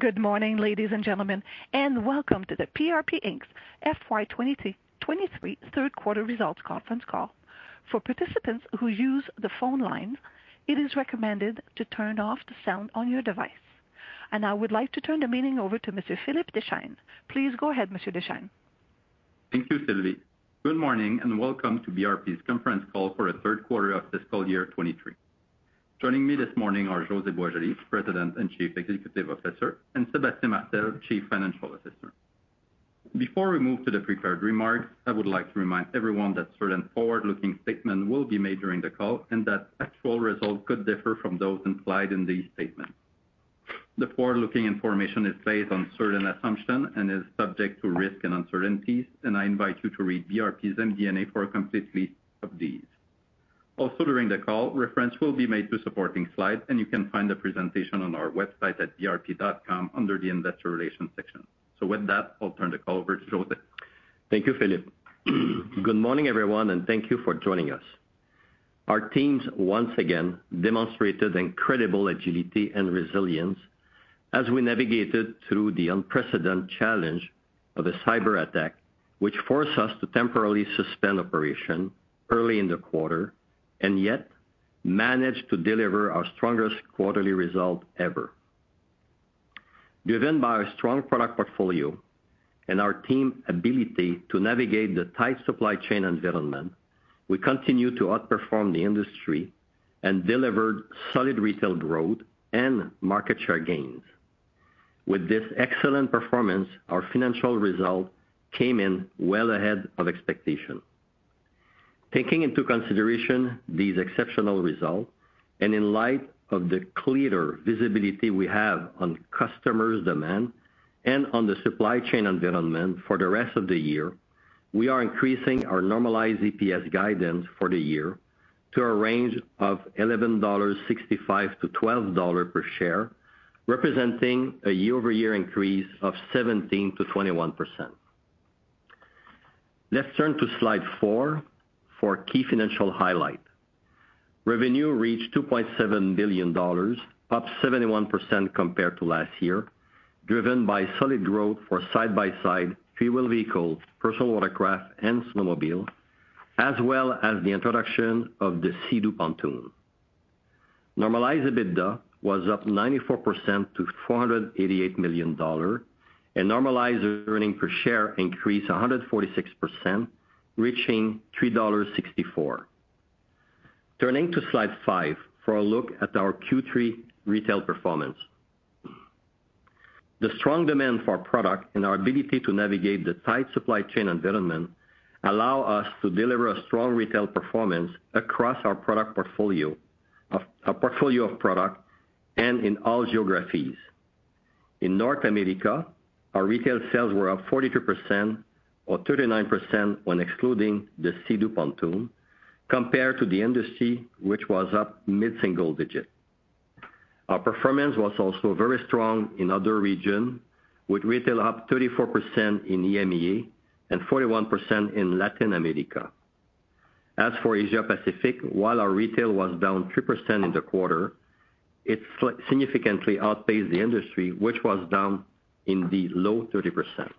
Good morning, ladies, and gentlemen, and welcome to the BRP Inc's FY 2023 Third Quarter Results Conference Call. For participants who use the phone line, it is recommended to turn off the sound on your device. I would like to turn the meeting over to Mr. Philippe Deschênes. Please go ahead, Mr. Deschênes. Thank you, Sylvie. Good morning, welcome to BRP's Conference Call for the Third Quarter of Fiscal Year 2023. Joining me this morning are José Boisjoli, President and Chief Executive Officer, and Sébastien Martel, Chief Financial Officer. Before we move to the prepared remarks, I would like to remind everyone that certain forward-looking statements will be made during the call and that actual results could differ from those implied in these statements. The forward-looking information is based on certain assumptions and is subject to risks and uncertainties, I invite you to read BRP's MD&A for a complete list of these. During the call, reference will be made to supporting slides, you can find the presentation on our website at brp.com under the Investor Relations section. With that, I'll turn the call over to José. Thank you, Philippe. Good morning, everyone, thank you for joining us. Our teams once again demonstrated incredible agility and resilience as we navigated through the unprecedented challenge of a cyberattack, which forced us to temporarily suspend operation early in the quarter and yet managed to deliver our strongest quarterly result ever. Driven by our strong product portfolio and our team ability to navigate the tight supply chain environment, we continue to outperform the industry and delivered solid retail growth and market share gains. With this excellent performance, our financial results came in well ahead of expectation. Taking into consideration these exceptional results and in light of the clearer visibility we have on customers' demand and on the supply chain environment for the rest of the year, we are increasing our Normalized EPS guidance for the year to a range of $11.65-$12 per share, representing a year-over-year increase of 17%-21%. Let's turn to slide four for key financial highlight. Revenue reached $2.7 billion, up 71% compared to last year, driven by solid growth for side-by-side fuel vehicles, personal watercraft and snowmobile, as well as the introduction of the Sea-Doo Pontoon. Normalized EBITDA was up 94% to $488 million, and normalized earnings per share increased 146%, reaching $3.64. Turning to slide five for a look at our Q3 retail performance. The strong demand for our product and our ability to navigate the tight supply chain environment allow us to deliver a strong retail performance across our product portfolio and in all geographies. In North America, our retail sales were up 42% or 39% when excluding the Sea-Doo Pontoon, compared to the industry which was up mid-single digit. Our performance was also very strong in other region, with retail up 34% in EMEA and 41% in Latin America. Asia Pacific, while our retail was down 3% in the quarter, it significantly outpaced the industry, which was down in the low 30%.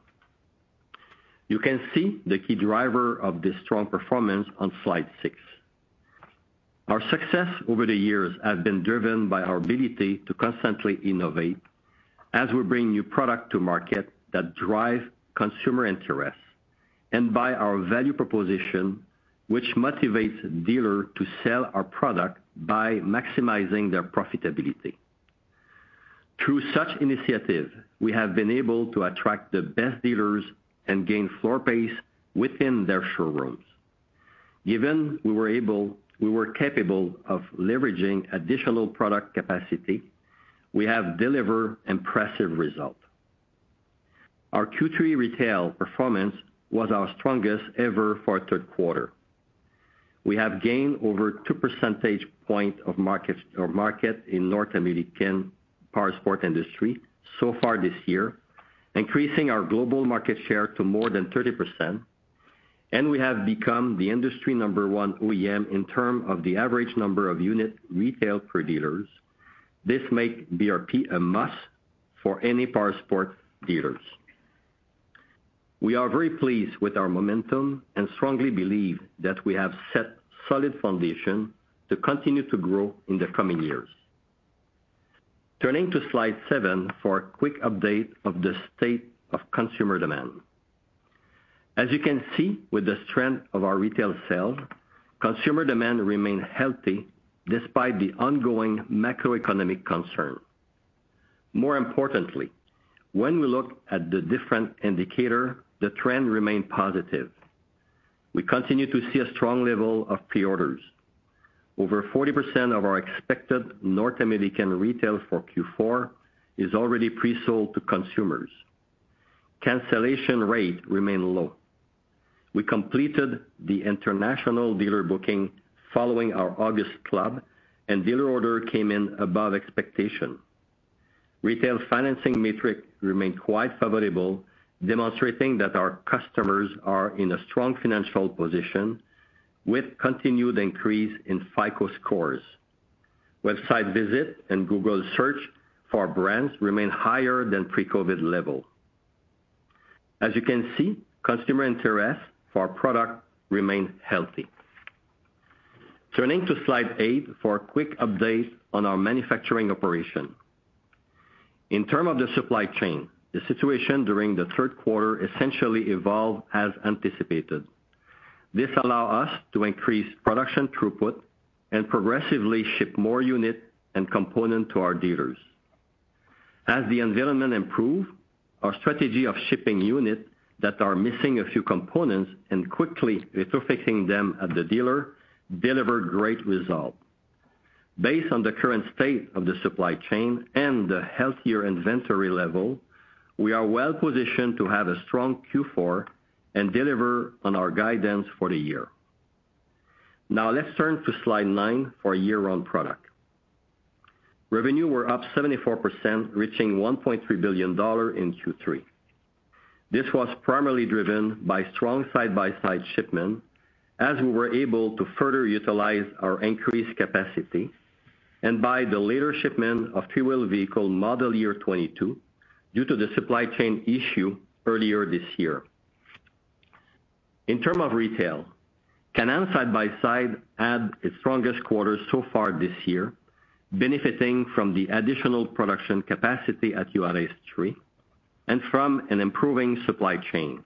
You can see the key driver of this strong performance on slide six. Our success over the years has been driven by our ability to constantly innovate as we bring new product to market that drive consumer interest and by our value proposition, which motivates dealer to sell our product by maximizing their profitability. Through such initiatives, we have been able to attract the best dealers and gain floor base within their showrooms. Given we were capable of leveraging additional product capacity, we have delivered impressive result. Our Q3 retail performance was our strongest ever for a third quarter. We have gained over 2 percentage points of market in North American powersports industry so far this year, increasing our global market share to more than 30%. We have become the industry number one OEM in term of the average number of unit retail per dealers. This make BRP a must for any powersports dealers. We are very pleased with our momentum and strongly believe that we have set solid foundation to continue to grow in the coming years. Turning to slide seven for a quick update of the state of consumer demand. As you can see with the strength of our retail sales, consumer demand remain healthy despite the ongoing macroeconomic concern. More importantly, when we look at the different indicator, the trend remain positive. We continue to see a strong level of pre-orders. Over 40% of our expected North American retail for Q4 is already pre-sold to consumers. Cancellation rate remain low. We completed the international dealer booking following our August club and dealer order came in above expectation. Retail financing metric remained quite favorable, demonstrating that our customers are in a strong financial position with continued increase in FICO scores. Website visit and Google search for our brands remain higher than pre-COVID level. As you can see, customer interest for our product remains healthy. Turning to slide eight for a quick update on our manufacturing operation. In term of the supply chain, the situation during the third quarter essentially evolved as anticipated. This allow us to increase production throughput and progressively ship more unit and component to our dealers. As the environment improve, our strategy of shipping units that are missing a few components and quickly retrofitting them at the dealer delivered great result. Based on the current state of the supply chain and the healthier inventory level, we are well positioned to have a strong Q4 and deliver on our guidance for the year. Now let's turn to slide 9 for year-round product. Revenue were up 74%, reaching 1.3 billion dollar in Q3. This was primarily driven by strong side-by-side shipment as we were able to further utilize our increased capacity and by the later shipment of 3-Wheel vehicle model year 2022 due to the supply chain issue earlier this year. In term of retail, Can-Am side-by-side had its strongest quarter so far this year, benefiting from the additional production capacity at Juárez 3 and from an improving supply chain.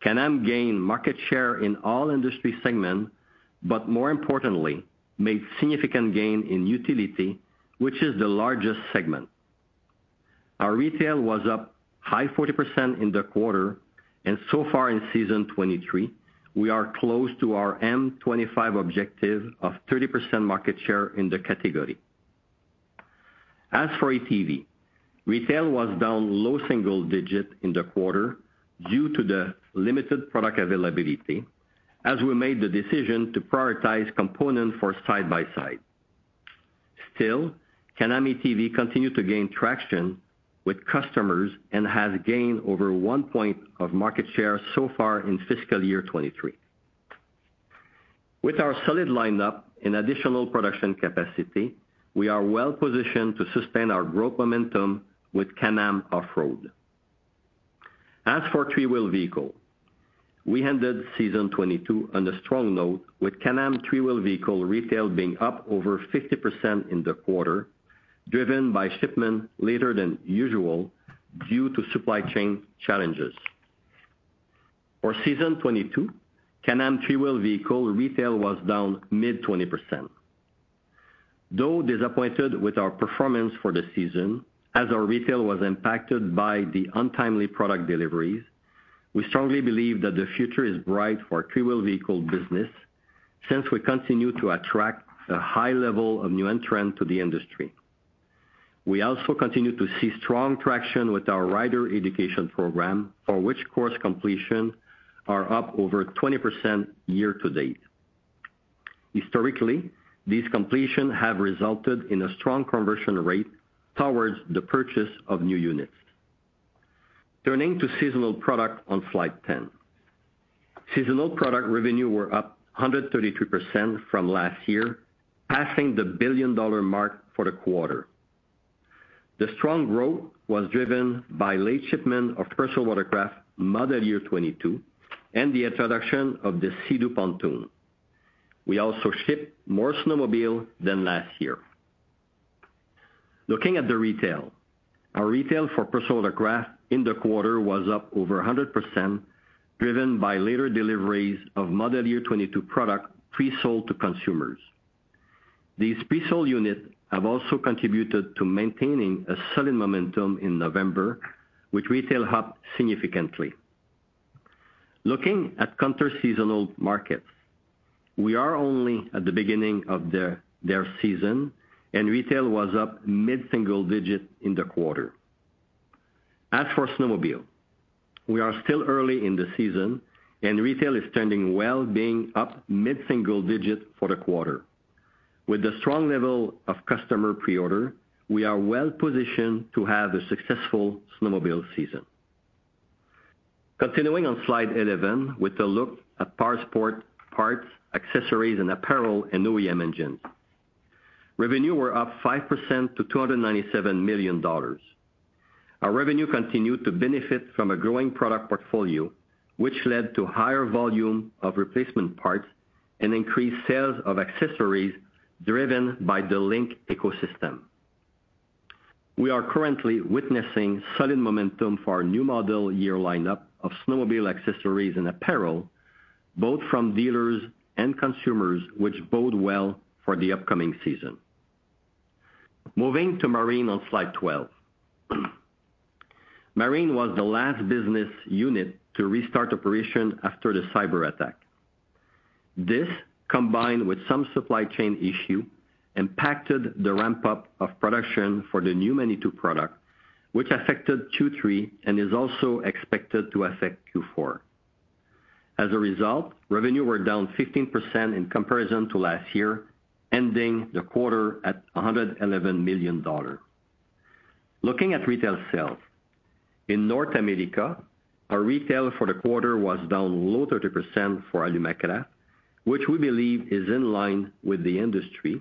Can-Am gained market share in all industry segment, more importantly, made significant gain in utility, which is the largest segment. Our retail was up high 40% in the quarter, so far in season 2023, we are close to our M25 objective of 30% market share in the category. As for ATV, retail was down low single digit in the quarter due to the limited product availability as we made the decision to prioritize component for side-by-side. Still, Can-Am ATV continued to gain traction with customers and has gained over one point of market share so far in fiscal year 2023. With our solid lineup and additional production capacity, we are well positioned to sustain our growth momentum with Can-Am Off-Road. As for 3-Wheel vehicle, we ended season 2022 on a strong note with Can-Am 3-Wheel vehicle retail being up over 50% in the quarter, driven by shipment later than usual due to supply chain challenges. For season 2022, Can-Am 3-Wheel vehicle retail was down mid 20%. Though disappointed with our performance for the season as our retail was impacted by the untimely product deliveries, we strongly believe that the future is bright for 3-Wheel vehicle business since we continue to attract a high level of new entrants to the industry. We also continue to see strong traction with our rider education program, for which course completion are up over 20% year-to-date. Historically, these completion have resulted in a strong conversion rate towards the purchase of new units. Turning to seasonal product on slide 10. Seasonal product revenue were up 132% from last year, passing the billion-dollar mark for the quarter. The strong growth was driven by late shipment of personal watercraft model year 2022 and the introduction of the Sea-Doo pontoon. We also shipped more snowmobile than last year. Looking at the retail, our retail for personal watercraft in the quarter was up over 100%, driven by later deliveries of model year 2022 product pre-sold to consumers. These pre-sold units have also contributed to maintaining a solid momentum in November, which retail up significantly. Looking at counter-seasonal markets, we are only at the beginning of their season. Retail was up mid-single digit in the quarter. As for snowmobile, we are still early in the season and retail is trending well, being up mid-single digit for the quarter. With the strong level of customer pre-order, we are well positioned to have a successful snowmobile season. Continuing on slide 11 with a look at powersports parts, accessories and apparel and OEM engines. Revenue were up 5% to 297 million dollars. Our revenue continued to benefit from a growing product portfolio, which led to higher volume of replacement parts and increased sales of accessories driven by the LinQ ecosystem. We are currently witnessing solid momentum for our new model year lineup of snowmobile accessories and apparel, both from dealers and consumers, which bode well for the upcoming season. Moving to Marine on slide 12. Marine was the last business unit to restart operation after the cyberattack. This, combined with some supply chain issue, impacted the ramp-up of production for the new Manitou product, which affected Q3 and is also expected to affect Q4. As a result, revenue were down 15% in comparison to last year, ending the quarter at 111 million dollars. Looking at retail sales. In North America, our retail for the quarter was down low 30% for Alumacraft, which we believe is in line with the industry.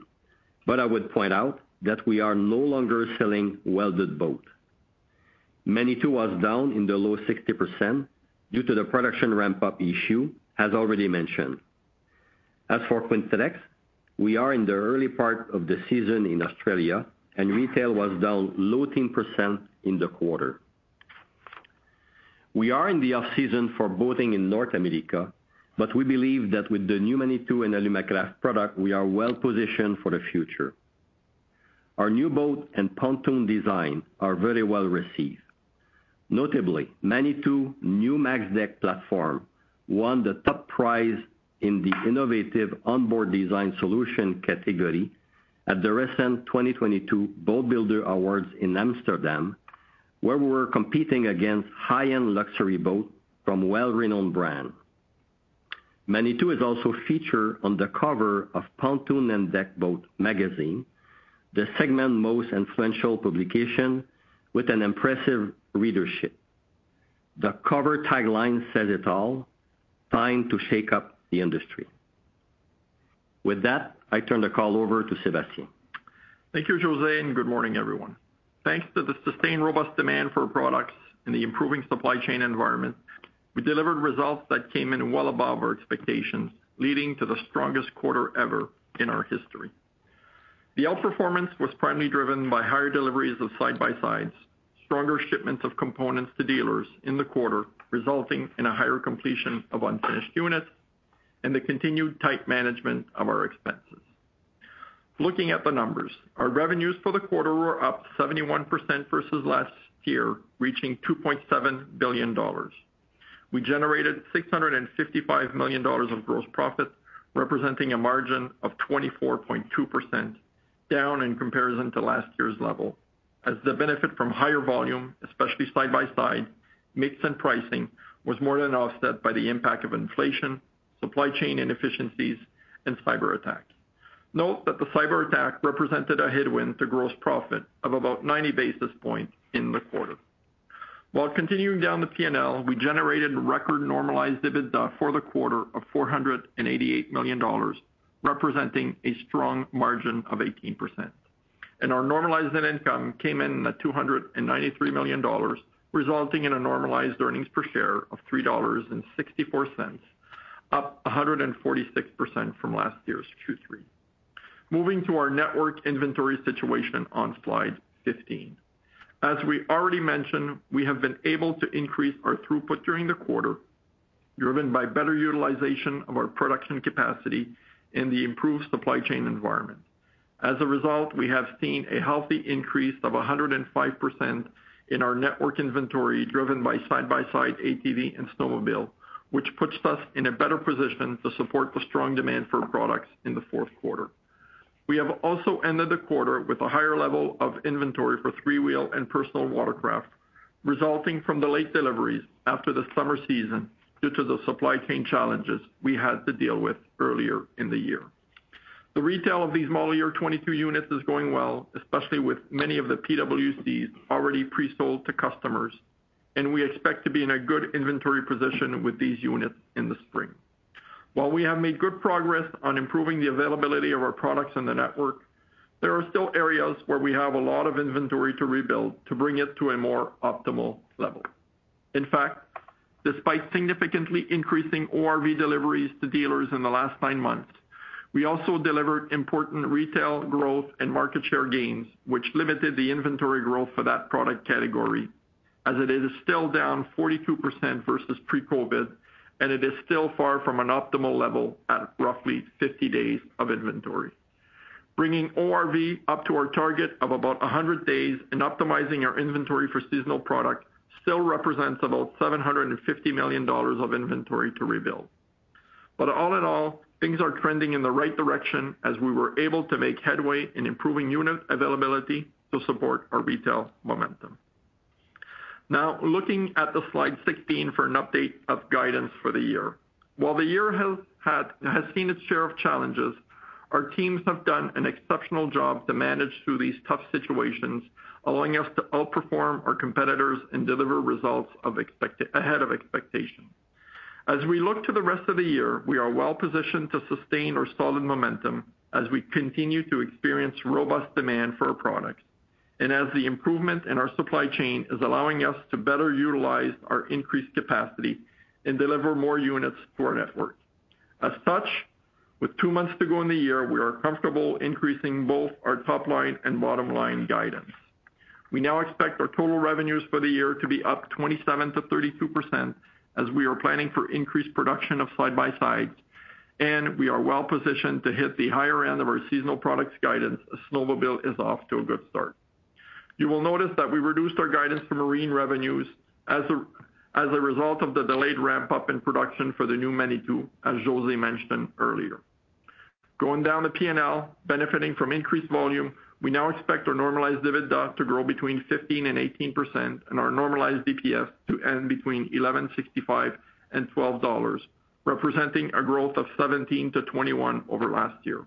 I would point out that we are no longer selling welded boat. Manitou was down in the low 60% due to the production ramp-up issue, as already mentioned. As for Quintrex, we are in the early part of the season in Australia, and retail was down low-teen % in the quarter. We are in the off-season for boating in North America, but we believe that with the new Manitou and Alumacraft product, we are well positioned for the future. Our new boat and pontoon design are very well received. Notably, Manitou new MAX Deck platform won the top prize in the innovative onboard design solution category at the recent 2022 Boat Builder Awards in Amsterdam, where we're competing against high-end luxury boat from well-renowned brand. Manitou is also featured on the cover of Pontoon and Deck Boat Magazine, the segment most influential publication with an impressive readership. The cover tagline says it all, "Time to shake up the industry." With that, I turn the call over to Sébastien. Thank you, José. Good morning, everyone. Thanks to the sustained robust demand for products and the improving supply chain environment, we delivered results that came in well above our expectations, leading to the strongest quarter ever in our history. The outperformance was primarily driven by higher deliveries of side-by-sides, stronger shipments of components to dealers in the quarter, resulting in a higher completion of unfinished units, and the continued tight management of our expenses. Looking at the numbers, our revenues for the quarter were up 71% versus last year, reaching 2.7 billion dollars. We generated 655 million dollars of gross profit, representing a margin of 24.2% down in comparison to last year's level as the benefit from higher volume, especially side-by-side mix and pricing, was more than offset by the impact of inflation, supply chain inefficiencies, and cyberattack. Note that the cyberattack represented a headwind to gross profit of about 90 basis points in the quarter. Continuing down the P&L, we generated record Normalized EBITDA for the quarter of $488 million, representing a strong margin of 18%. Our Normalized EPS came in at $293 million, resulting in a Normalized EPS of $3.64, up 146% from last year's Q3. Moving to our network inventory situation on slide 15. As we already mentioned, we have been able to increase our throughput during the quarter, driven by better utilization of our production capacity and the improved supply chain environment. As a result, we have seen a healthy increase of 105% in our network inventory driven by side-by-side ATV and snowmobile, which puts us in a better position to support the strong demand for products in the fourth quarter. We have also ended the quarter with a higher level of inventory for 3-Wheel and personal watercraft, resulting from the late deliveries after the summer season due to the supply chain challenges we had to deal with earlier in the year. The retail of these model year 2022 units is going well, especially with many of the PWC already presold to customers, and we expect to be in a good inventory position with these units in the spring. While we have made good progress on improving the availability of our products in the network, there are still areas where we have a lot of inventory to rebuild to bring it to a more optimal level. In fact, despite significantly increasing ORV deliveries to dealers in the last nine months, we also delivered important retail growth and market share gains, which limited the inventory growth for that product category as it is still down 42% versus pre-COVID, and it is still far from an optimal level at roughly 50 days of inventory. Bringing ORV up to our target of about 100 days and optimizing our inventory for seasonal product still represents about 750 million dollars of inventory to rebuild. All in all, things are trending in the right direction as we were able to make headway in improving unit availability to support our retail momentum. Now, looking at slide 16 for an update of guidance for the year. While the year has seen its share of challenges, our teams have done an exceptional job to manage through these tough situations, allowing us to outperform our competitors and deliver results ahead of expectation. We look to the rest of the year, we are well positioned to sustain our solid momentum as we continue to experience robust demand for our products and as the improvement in our supply chain is allowing us to better utilize our increased capacity and deliver more units to our network. As such, with two months to go in the year, we are comfortable increasing both our top line and bottom line guidance. We now expect our total revenues for the year to be up 27%-32% as we are planning for increased production of side-by-sides. We are well positioned to hit the higher end of our seasonal products guidance as snowmobile is off to a good start. You will notice that we reduced our guidance for marine revenues as a result of the delayed ramp-up in production for the new Manitou, as José mentioned earlier. Going down the P&L, benefiting from increased volume, we now expect our Normalized EBITDA to grow between 15% and 18% and our normalized EPS to end between 11.65 and 12 dollars, representing a growth of 17%-21% over last year.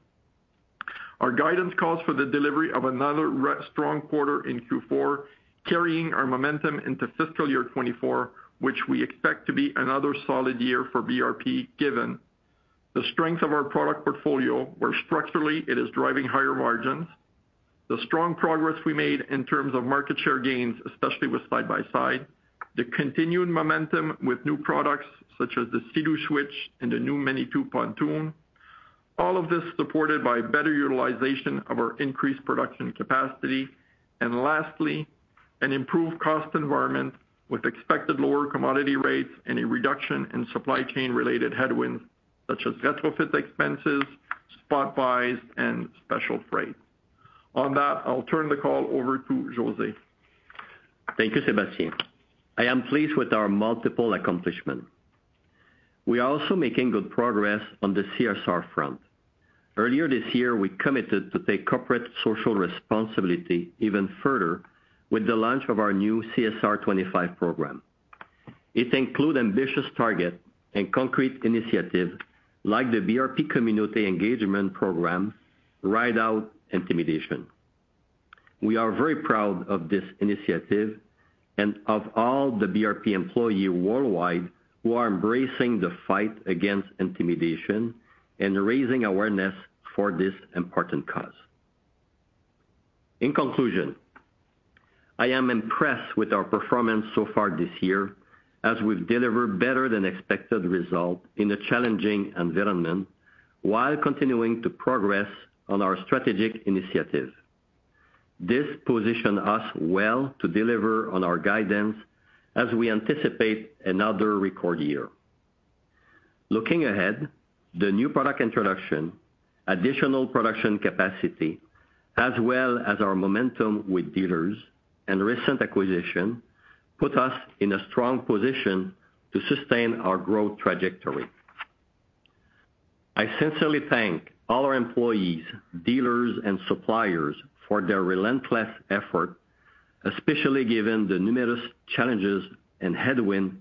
Our guidance calls for the delivery of another strong quarter in Q4, carrying our momentum into fiscal year 2024, which we expect to be another solid year for BRP, given the strength of our product portfolio, where structurally it is driving higher margins, the strong progress we made in terms of market share gains, especially with side-by-side, the continuing momentum with new products such as the Sea-Doo Switch and the new Manitou pontoon. All of this supported by better utilization of our increased production capacity and lastly, an improved cost environment with expected lower commodity rates and a reduction in supply chain related headwinds such as retrofit expenses, spot buys and special freight. On that, I'll turn the call over to José. Thank you, Sébastien. I am pleased with our multiple accomplishments. We are also making good progress on the CSR front. Earlier this year, we committed to take corporate social responsibility even further with the launch of our new CSR25 program. It includes ambitious targets and concrete initiatives like the BRP Community Engagement program, Ride Out Intimidation. We are very proud of this initiative and of all the BRP employees worldwide who are embracing the fight against intimidation and raising awareness for this important cause. In conclusion, I am impressed with our performance so far this year as we've delivered better than expected results in a challenging environment while continuing to progress on our strategic initiatives. This positions us well to deliver on our guidance as we anticipate another record year. Looking ahead, the new product introduction, additional production capacity, as well as our momentum with dealers and recent acquisition, put us in a strong position to sustain our growth trajectory. I sincerely thank all our employees, dealers and suppliers for their relentless effort, especially given the numerous challenges and headwinds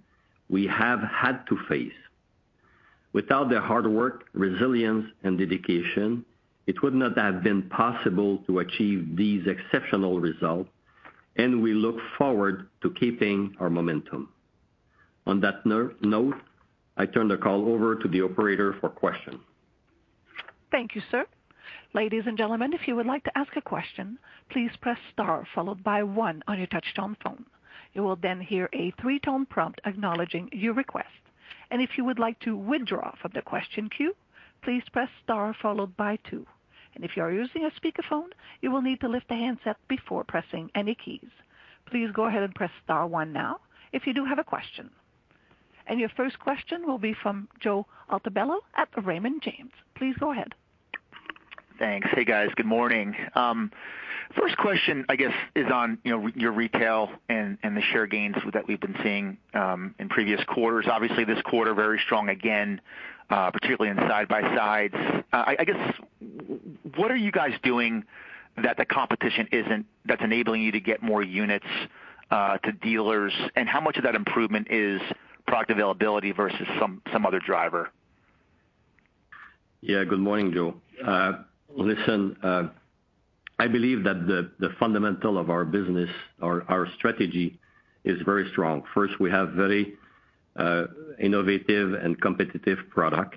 we have had to face. Without their hard work, resilience and dedication, it would not have been possible to achieve these exceptional results, and we look forward to keeping our momentum. On that note, I turn the call over to the operator for questions. Thank you, sir. Ladies, and gentlemen, if you would like to ask a question, please press star followed by one on your touchtone phone. You will then hear a three tone prompt acknowledging your request. If you would like to withdraw from the question queue, please press star followed by two. If you are using a speakerphone, you will need to lift the handset before pressing any keys. Please go ahead and press star one now if you do have a question. Your first question will be from Joe Altobello at Raymond James. Please go ahead. Thanks. Hey, guys. Good morning. First question, I guess, is on, you know, your retail and the share gains that we've been seeing, in previous quarters. Obviously, this quarter, very strong again, particularly in side by sides. I guess, what are you guys doing that the competition isn't, that's enabling you to get more units to dealers? How much of that improvement is product availability versus some other driver? Good morning, Joe. Listen, I believe that the fundamental of our business, our strategy is very strong. First, we have very innovative and competitive product.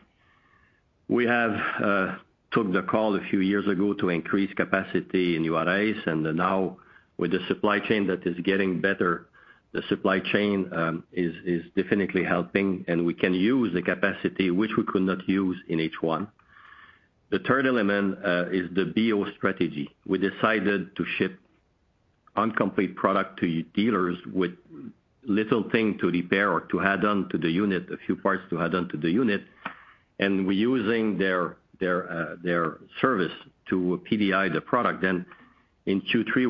We have took the call a few years ago to increase capacity in Juárez, now with the supply chain that is getting better, the supply chain is definitely helping, and we can use the capacity which we could not use in H1. The third element is the BO strategy. We decided to ship uncomplete product to dealers with little thing to repair or to add on to the unit, a few parts to add on to the unit, and we're using their service to PDI the product. In Q3,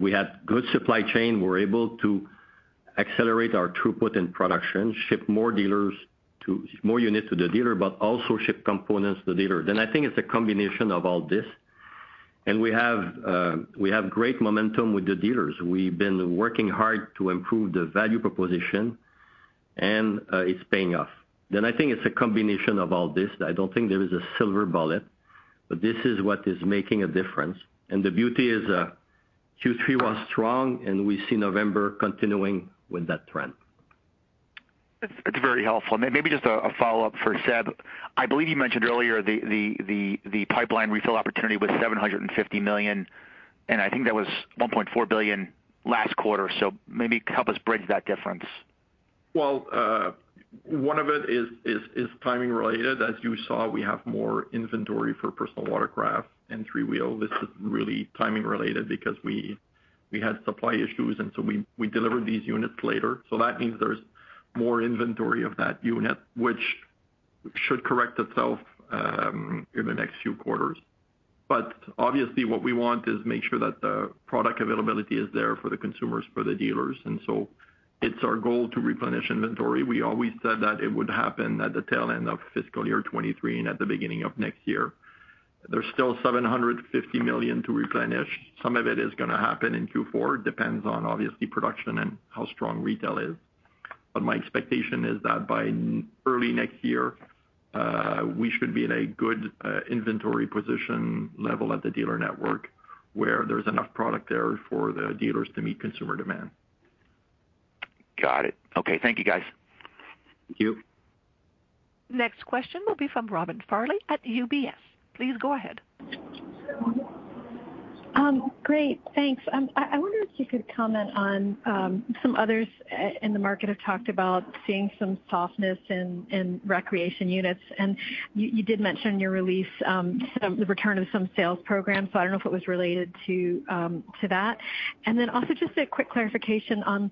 we had good supply chain. We're able to accelerate our throughput in production, ship more units to the dealer, but also ship components to dealers. I think it's a combination of all this. We have great momentum with the dealers. We've been working hard to improve the value proposition, and it's paying off. I think it's a combination of all this. I don't think there is a silver bullet, but this is what is making a difference. The beauty is, Q3 was strong, and we see November continuing with that trend. It's very helpful. Maybe just a follow-up for Séb. I believe you mentioned earlier the pipeline refill opportunity with 750 million, and I think that was 1.4 billion last quarter. Maybe help us bridge that difference? One of it is timing related. As you saw, we have more inventory for personal watercraft and 3-Wheel. This is really timing related because we had supply issues, we delivered these units later. That means there's more inventory of that unit, which should correct itself in the next few quarters. Obviously, what we want is make sure that the product availability is there for the consumers, for the dealers. It's our goal to replenish inventory. We always said that it would happen at the tail end of fiscal year 2023 and at the beginning of next year. There's still 750 million to replenish. Some of it is gonna happen in Q4, depends on obviously production and how strong retail is. My expectation is that by early next year, we should be in a good inventory position level at the dealer network where there's enough product there for the dealers to meet consumer demand. Got it. Okay, thank you guys. Thank you. Next question will be from Robin Farley at UBS. Please go ahead. Great, thanks. I wonder if you could comment on some others in the market have talked about seeing some softness in recreation units, and you did mention your release, the return of some sales programs, so I don't know if it was related to that. Also just a quick clarification on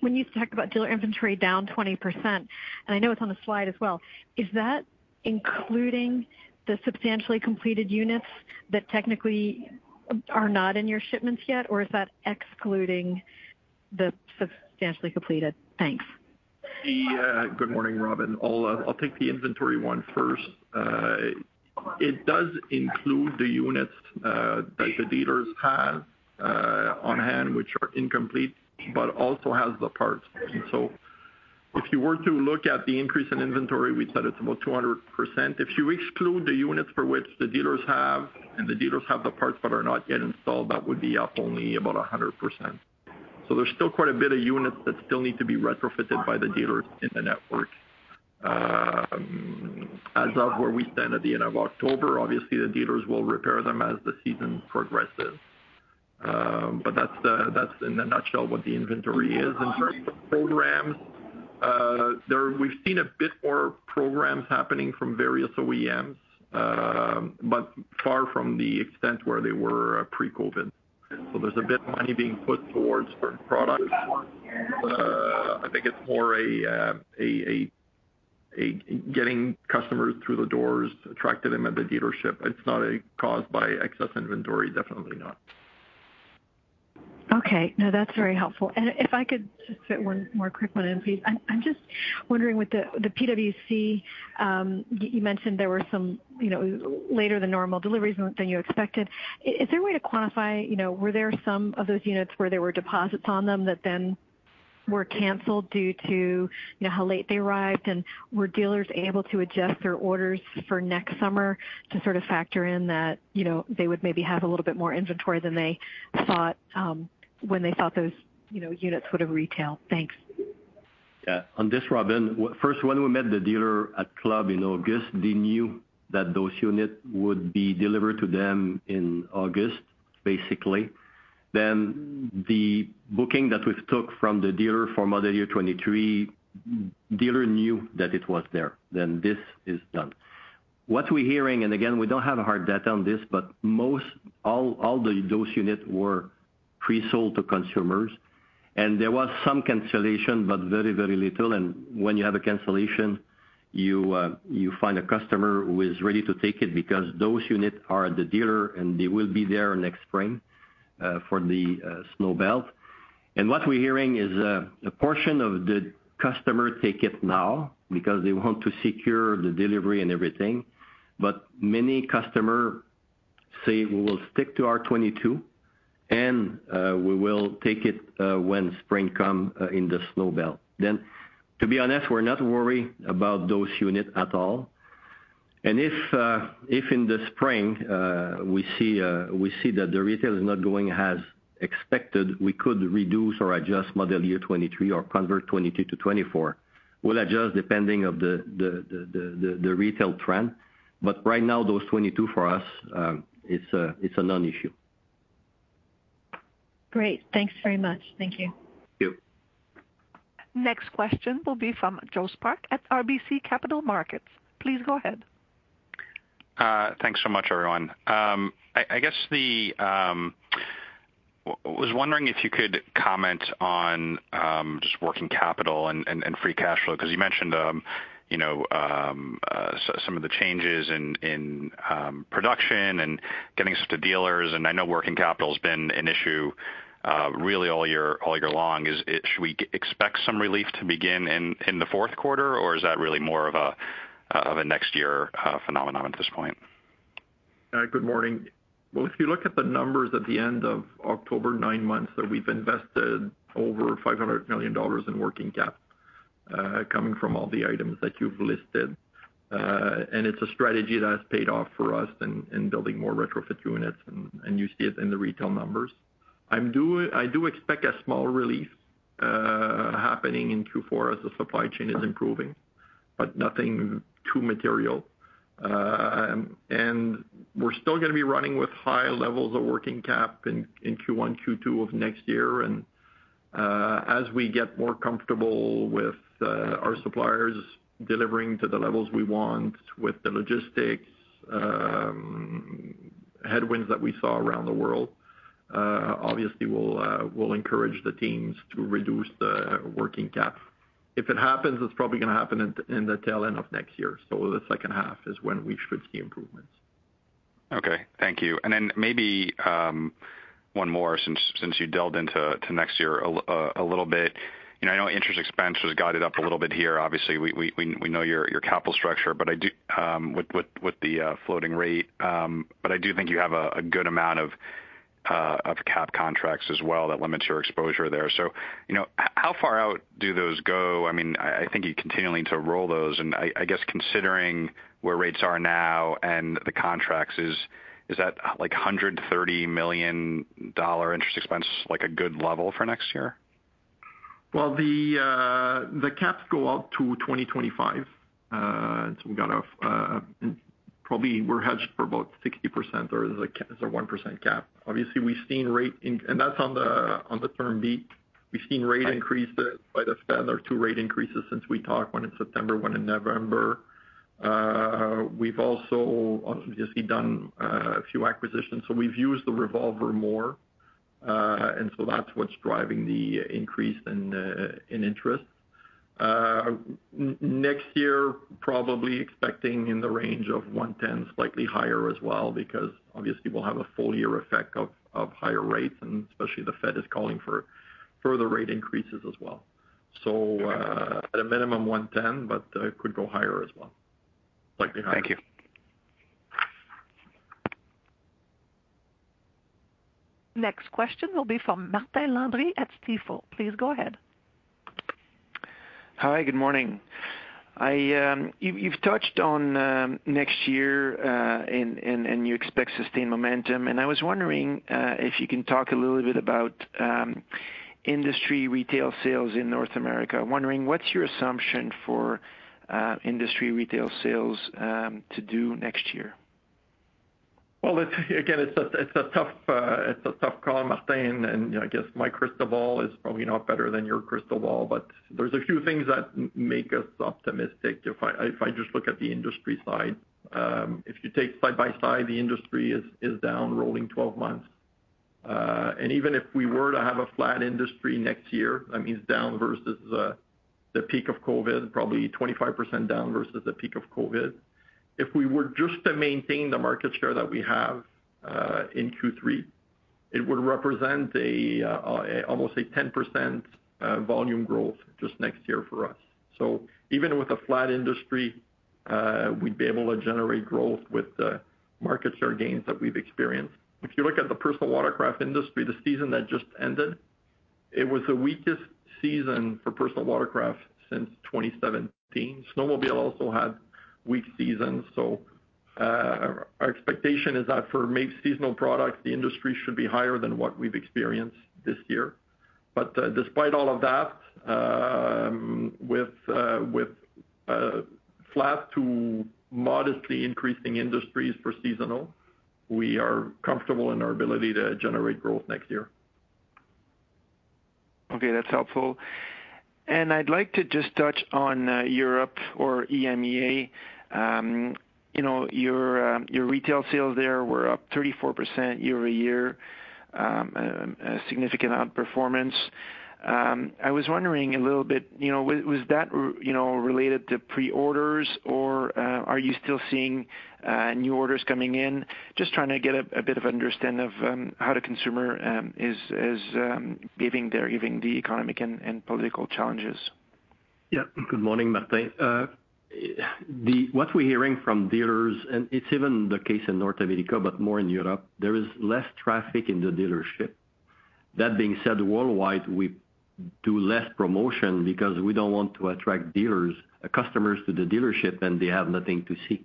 when you talked about dealer inventory down 20%, and I know it's on the slide as well, is that including the substantially completed units that technically are not in your shipments yet, or is that excluding the substantially completed? Thanks. Good morning, Robin. I'll take the inventory one first. It does include the units that the dealers have on hand, which are incomplete, but also has the parts. If you were to look at the increase in inventory, we said it's about 200%. If you exclude the units for which the dealers have and the dealers have the parts but are not yet installed, that would be up only about 100%. There's still quite a bit of units that still need to be retrofitted by the dealers in the network, as of where we stand at the end of October. Obviously, the dealers will repair them as the season progresses. But that's in a nutshell what the inventory is. In terms of programs, we've seen a bit more programs happening from various OEMs, but far from the extent where they were pre-COVID. There's a bit of money being put towards certain products. I think it's more a getting customers through the doors, attracting them at the dealership. It's not a caused by excess inventory, definitely not. Okay. No, that's very helpful. If I could just fit one more quick one in, please. I'm just wondering with the PWC, you mentioned there were some, you know, later than normal deliveries than you expected. Is there a way to quantify, you know, were there some of those units where there were deposits on them that then were canceled due to, you know, how late they arrived? Were dealers able to adjust their orders for next summer to sort of factor in that, you know, they would maybe have a little bit more inventory than they thought, when they thought those, you know, units would have retailed? Thanks. On this, Robin, first one, we met the dealer at club in August. They knew that those unit would be delivered to them in August, basically. The booking that we took from the dealer for model year 2023, dealer knew that it was there, then this is done. What we're hearing, and again, we don't have hard data on this, but all the, those units were pre-sold to consumers and there was some cancellation, but very, very little. When you have a cancellation, you find a customer who is ready to take it because those units are at the dealer and they will be there next spring for the snow belt. What we're hearing is a portion of the customer take it now because they want to secure the delivery and everything. Many customer say, "We will stick to our 2022 and we will take it when spring come in the snow belt." To be honest, we're not worried about those unit at all. If in the spring, we see that the retail is not going as expected, we could reduce or adjust model year 2023 or convert 2022-2024. We'll adjust depending of the retail trend. Right now, those 2022 for us, it's a non-issue. Great. Thanks very much. Thank you. Thank you. Next question will be from Joe Spak at RBC Capital Markets. Please go ahead. Thanks so much, everyone. I guess the... Was wondering if you could comment on, just working capital and free cash flow, 'cause you mentioned, you know, some of the changes in production and getting stuff to dealers, and I know working capital's been an issue, really all year, all year long. Should we expect some relief to begin in the fourth quarter, or is that really more of a, of a next year, phenomenon at this point? Good morning. Well, if you look at the numbers at the end of October, nine months that we've invested over 500 million dollars in working cap, coming from all the items that you've listed. It's a strategy that has paid off for us in building more retrofit units and you see it in the retail numbers. I do expect a small relief happening in Q4 as the supply chain is improving, but nothing too material. We're still gonna be running with high levels of working cap in Q1, Q2 of next year. As we get more comfortable with our suppliers delivering to the levels we want with the logistics headwinds that we saw around the world, obviously we'll encourage the teams to reduce the working cap. If it happens, it's probably gonna happen in the tail end of next year. The second half is when we should see improvements. Okay. Thank you. Maybe one more since you delved into next year a little bit. You know, I know interest expense was guided up a little bit here. Obviously, we know your capital structure, With the floating rate, but I do think you have a good amount of Of cap contracts as well, that limits your exposure there. You know, how far out do those go? I mean, I think you're continuing to roll those. I guess considering where rates are now and the contracts, is that, like, 130 million dollar interest expense, like, a good level for next year? The caps go out to 2025. Probably we're hedged for about 60%, or is a 1% cap. Obviously, we've seen. That's on the Term B. We've seen rate increases by the Fed, or two rate increases since we talked, one in September, one in November. We've also obviously done a few acquisitions, so we've used the revolver more. That's what's driving the increase in interest. Next year, probably expecting in the range of $110 million, slightly higher as well, because obviously we'll have a full year effect of higher rates, and especially the Fed is calling for further rate increases as well. At a minimum $110 million, but it could go higher as well. Slightly higher. Thank you. Next question will be from Martin Landry at Stifel. Please go ahead. Hi, good morning. You've touched on next year and you expect sustained momentum. I was wondering if you can talk a little bit about industry retail sales in North America. I'm wondering what's your assumption for industry retail sales to do next year? It's again a tough call, Martin, you know, I guess my crystal ball is probably not better than your crystal ball. There's a few things that make us optimistic if I just look at the industry side. If you take side-by-side, the industry is down rolling 12 months. Even if we were to have a flat industry next year, that means down versus the peak of COVID, probably 25% down versus the peak of COVID. If we were just to maintain the market share that we have in Q3, it would represent almost a 10% volume growth just next year for us. Even with a flat industry, we'd be able to generate growth with the market share gains that we've experienced. If you look at the personal watercraft industry, the season that just ended, it was the weakest season for personal watercraft since 2017. Snowmobile also had weak seasons. Our expectation is that for seasonal products, the industry should be higher than what we've experienced this year. Despite all of that, with flat to modestly increasing industries for seasonal, we are comfortable in our ability to generate growth next year. Okay, that's helpful. I'd like to just touch on Europe or EMEA. you know, your retail sales there were up 34% year-over-year, a significant outperformance. I was wondering a little bit, you know, was that, you know, related to pre-orders or, are you still seeing new orders coming in? Just trying to get a bit of an understanding of how the consumer is behaving there, given the economic and political challenges. Good morning, Martin. what we're hearing from dealers, and it's even the case in North America, but more in Europe, there is less traffic in the dealership. That being said, worldwide, we do less promotion because we don't want to attract customers to the dealership, and they have nothing to see.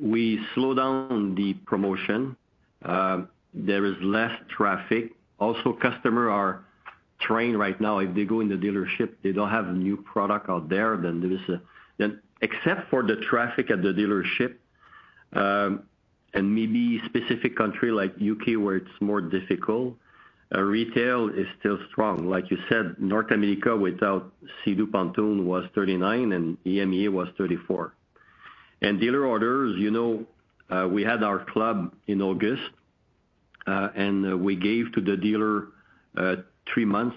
We slow down the promotion. There is less traffic. Also, customers are trained right now. If they go in the dealership, they don't have new product out there. Except for the traffic at the dealership, and maybe specific country like U.K. where it's more difficult, retail is still strong. Like you said, North America without Sea-Doo Switch was 39%, and EMEA was 34%. Dealer orders, you know, we had our club in August, and we gave to the dealer two months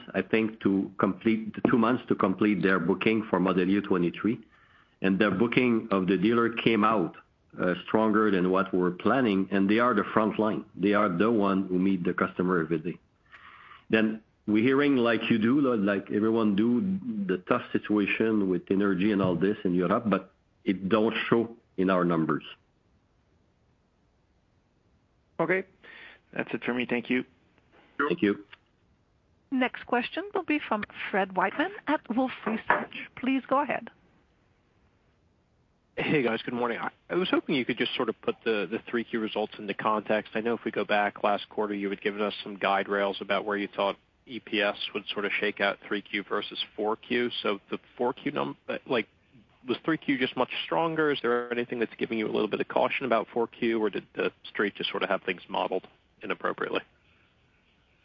to complete their booking for model year 2023. Their booking of the dealer came out stronger than what we're planning, and they are the frontline. They are the one who meet the customer every day. We're hearing, like you do, like everyone do, the tough situation with energy and all this in Europe, but it don't show in our numbers. Okay. That's it for me. Thank you. Thank you. Next question will be from Fred Wightman at Wolfe Research. Please go ahead. Hey, guys. Good morning. I was hoping you could just sort of put the three key results into context. I know if we go back last quarter, you had given us some guide rails about where you thought EPS would sort of shake out 3Q versus 4Q. The 4Q. Like, was 3Q just much stronger? Is there anything that's giving you a little bit of caution about 4Q, or did the Street just sort of have things modeled inappropriately?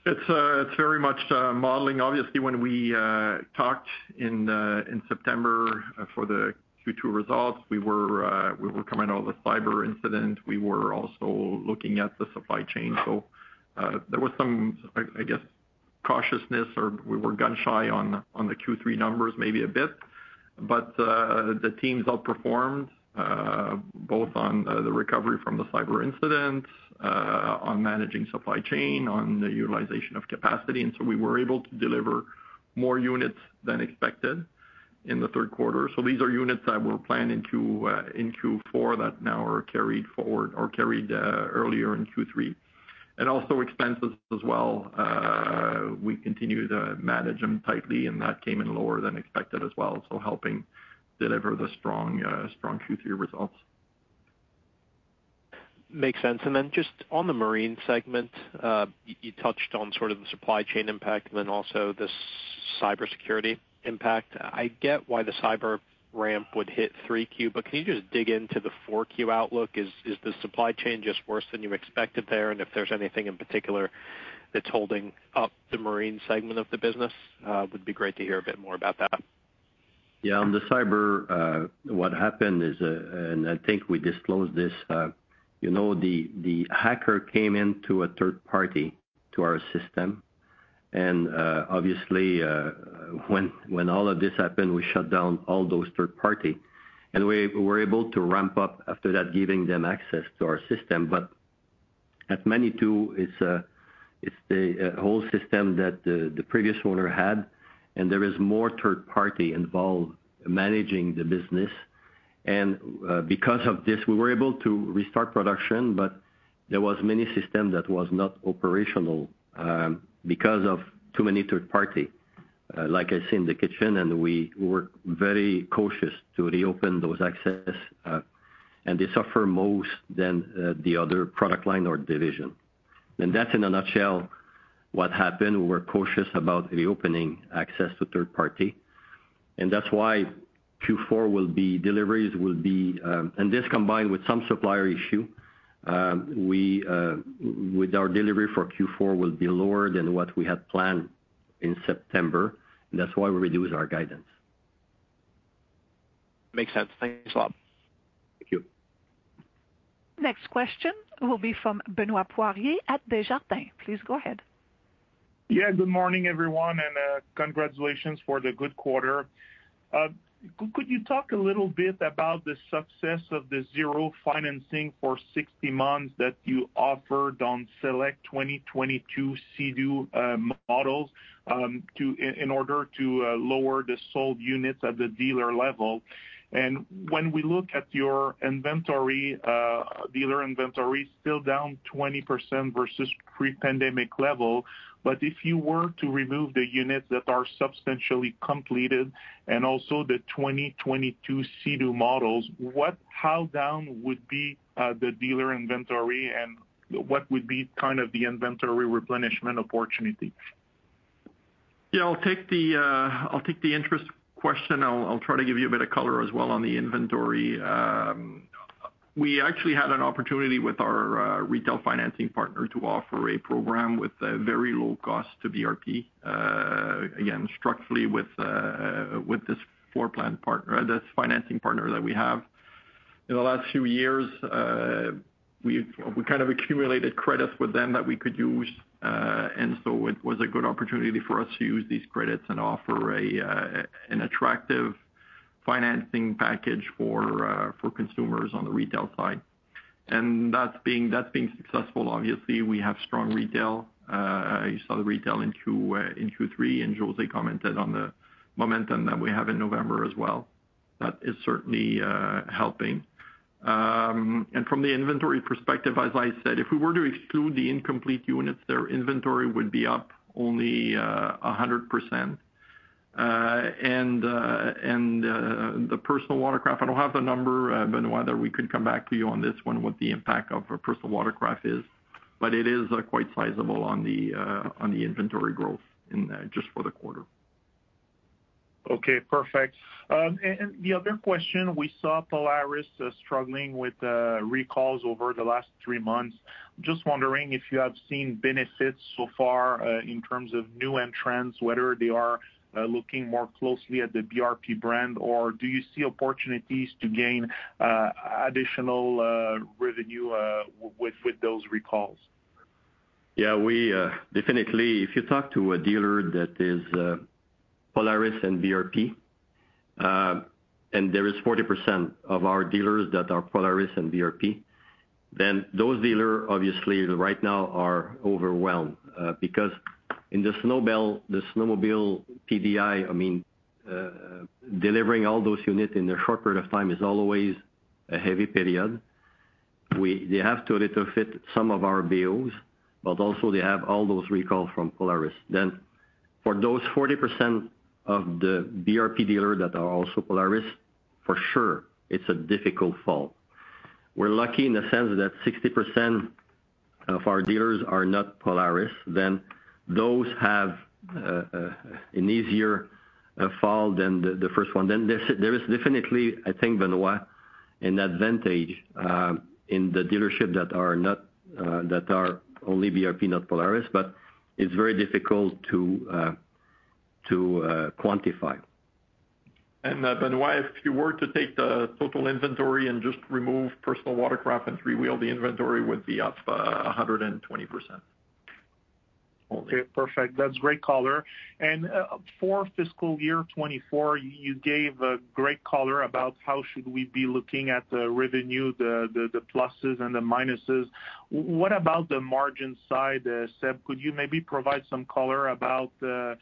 It's very much modeling. Obviously, when we talked in September for the Q2 results, we were coming out of a cyber incident. We were also looking at the supply chain. There was some, I guess, cautiousness or we were gun-shy on the Q3 numbers maybe a bit. The teams outperformed, both on the recovery from the cyber incident, on managing supply chain, on the utilization of capacity. We were able to deliver. More units than expected in the third quarter. These are units that were planned into in Q4 that now are carried forward or carried earlier in Q3. Also expenses as well. We continue to manage them tightly, and that came in lower than expected as well. Helping deliver the strong Q3 results. Makes sense. Then just on the marine segment, you touched on sort of the supply chain impact and then also this cybersecurity impact. I get why the cyber ramp would hit 3Q, but can you just dig into the 4Q outlook? Is the supply chain just worse than you expected there? If there's anything in particular that's holding up the marine segment of the business, would be great to hear a bit more about that. Yeah. On the cyber, what happened is, I think we disclosed this, you know, the hacker came into a third party to our system. Obviously, when all of this happened, we shut down all those third party, and we were able to ramp up after that, giving them access to our system. At Manitou, it's the whole system that the previous owner had, and there is more third party involved managing the business. Because of this, we were able to restart production, but there was many system that was not operational, because of too many third party, like I see in the kitchen. We were very cautious to reopen those access, and they suffer most than the other product line or division. That's in a nutshell what happened. We were cautious about reopening access to third party. That's why Q4 deliveries will be, this combined with some supplier issue, with our delivery for Q4 will be lower than what we had planned in September. That's why we reduced our guidance. Makes sense. Thank you so much. Thank you. Next question will be from Benoit Poirier at Desjardins. Please go ahead. Good morning, everyone, and congratulations for the good quarter. Could you talk a little bit about the success of the zero financing for 60 months that you offered on select 2022 Sea-Doo models in order to lower the sold units at the dealer level? When we look at your inventory, dealer inventory still down 20% versus pre-pandemic level. If you were to remove the units that are substantially completed and also the 2022 Sea-Doo models, how down would be the dealer inventory and what would be kind of the inventory replenishment opportunity? Yeah, I'll take the interest question. I'll try to give you a bit of color as well on the inventory. We actually had an opportunity with our retail financing partner to offer a program with a very low cost to BRP again, structurally with this financing partner that we have. In the last few years, we kind of accumulated credits with them that we could use. It was a good opportunity for us to use these credits and offer an attractive financing package for consumers on the retail side. That's being successful. Obviously, we have strong retail. You saw the retail in Q3, and José commented on the momentum that we have in November as well. That is certainly helping. From the inventory perspective, as I said, if we were to exclude the incomplete units there, inventory would be up only 100%. The personal watercraft, I don't have the number, Benoit, that we could come back to you on this one with the impact of a personal watercraft is, but it is quite sizable on the inventory growth in just for the quarter. Okay, perfect. The other question, we saw Polaris struggling with recalls over the last three months. Just wondering if you have seen benefits so far, in terms of new entrants, whether they are looking more closely at the BRP brand, or do you see opportunities to gain additional revenue, with those recalls? We definitely. If you talk to a dealer that is Polaris and BRP, and there is 40% of our dealers that are Polaris and BRP, those dealer obviously right now are overwhelmed. Because in the snowmobile, the snowmobile PDI, I mean, delivering all those units in a short period of time is always a heavy period. They have to retrofit some of our BOs, but also they have all those recalls from Polaris. For those 40% of the BRP dealer that are also Polaris, for sure, it's a difficult fall. We're lucky in the sense that 60% of our dealers are not Polaris, those have an easier fall than the first one. There is definitely, I think, Benoit, an advantage in the dealership that are not that are only BRP, not Polaris. It's very difficult to quantify. Benoit, if you were to take the total inventory and just remove personal watercraft and 3-Wheel, the inventory would be up 120%. Okay, perfect. That's great color. For fiscal year 2024, you gave a great color about how should we be looking at the revenue, the pluses and the minuses. What about the margin side, Séb? Could you maybe provide some color about the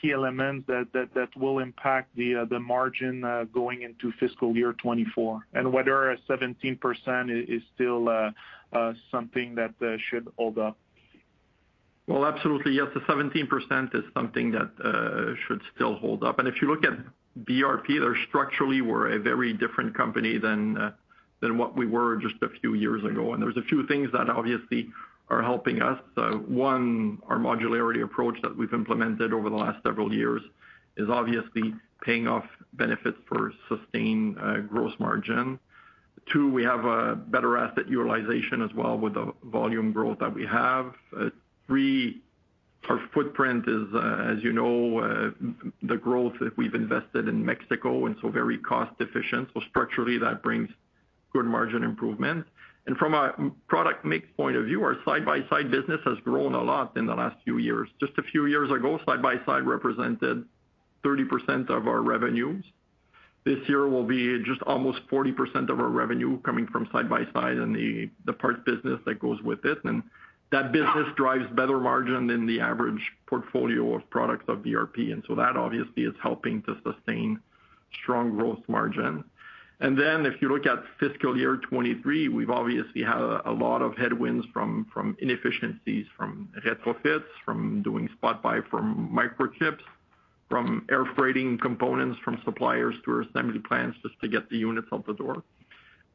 key elements that will impact the margin going into fiscal year 2024, and whether 17% is still something that should hold up? Absolutely, yes. The 17% is something that should still hold up. If you look at BRP, structurally we're a very different company than what we were just a few years ago. There's a few things that obviously are helping us. One, our modularity approach that we've implemented over the last several years is obviously paying off benefits for sustained gross margin. Two, we have a better asset utilization as well with the volume growth that we have. Three, our footprint is, as you know, the growth that we've invested in Mexico, and so very cost efficient. Structurally, that brings good margin improvement. From a product mix point of view, our side-by-side business has grown a lot in the last few years. Just a few years ago, side-by-side represented 30% of our revenues. This year will be just almost 40% of our revenue coming from side-by-side and the parts business that goes with it. That business drives better margin than the average portfolio of products of BRP. That obviously is helping to sustain strong gross margin. If you look at fiscal year 2023, we've obviously had a lot of headwinds from inefficiencies, from retrofits, from doing spot buy from microchips, from air freighting components from suppliers to our assembly plants just to get the units out the door.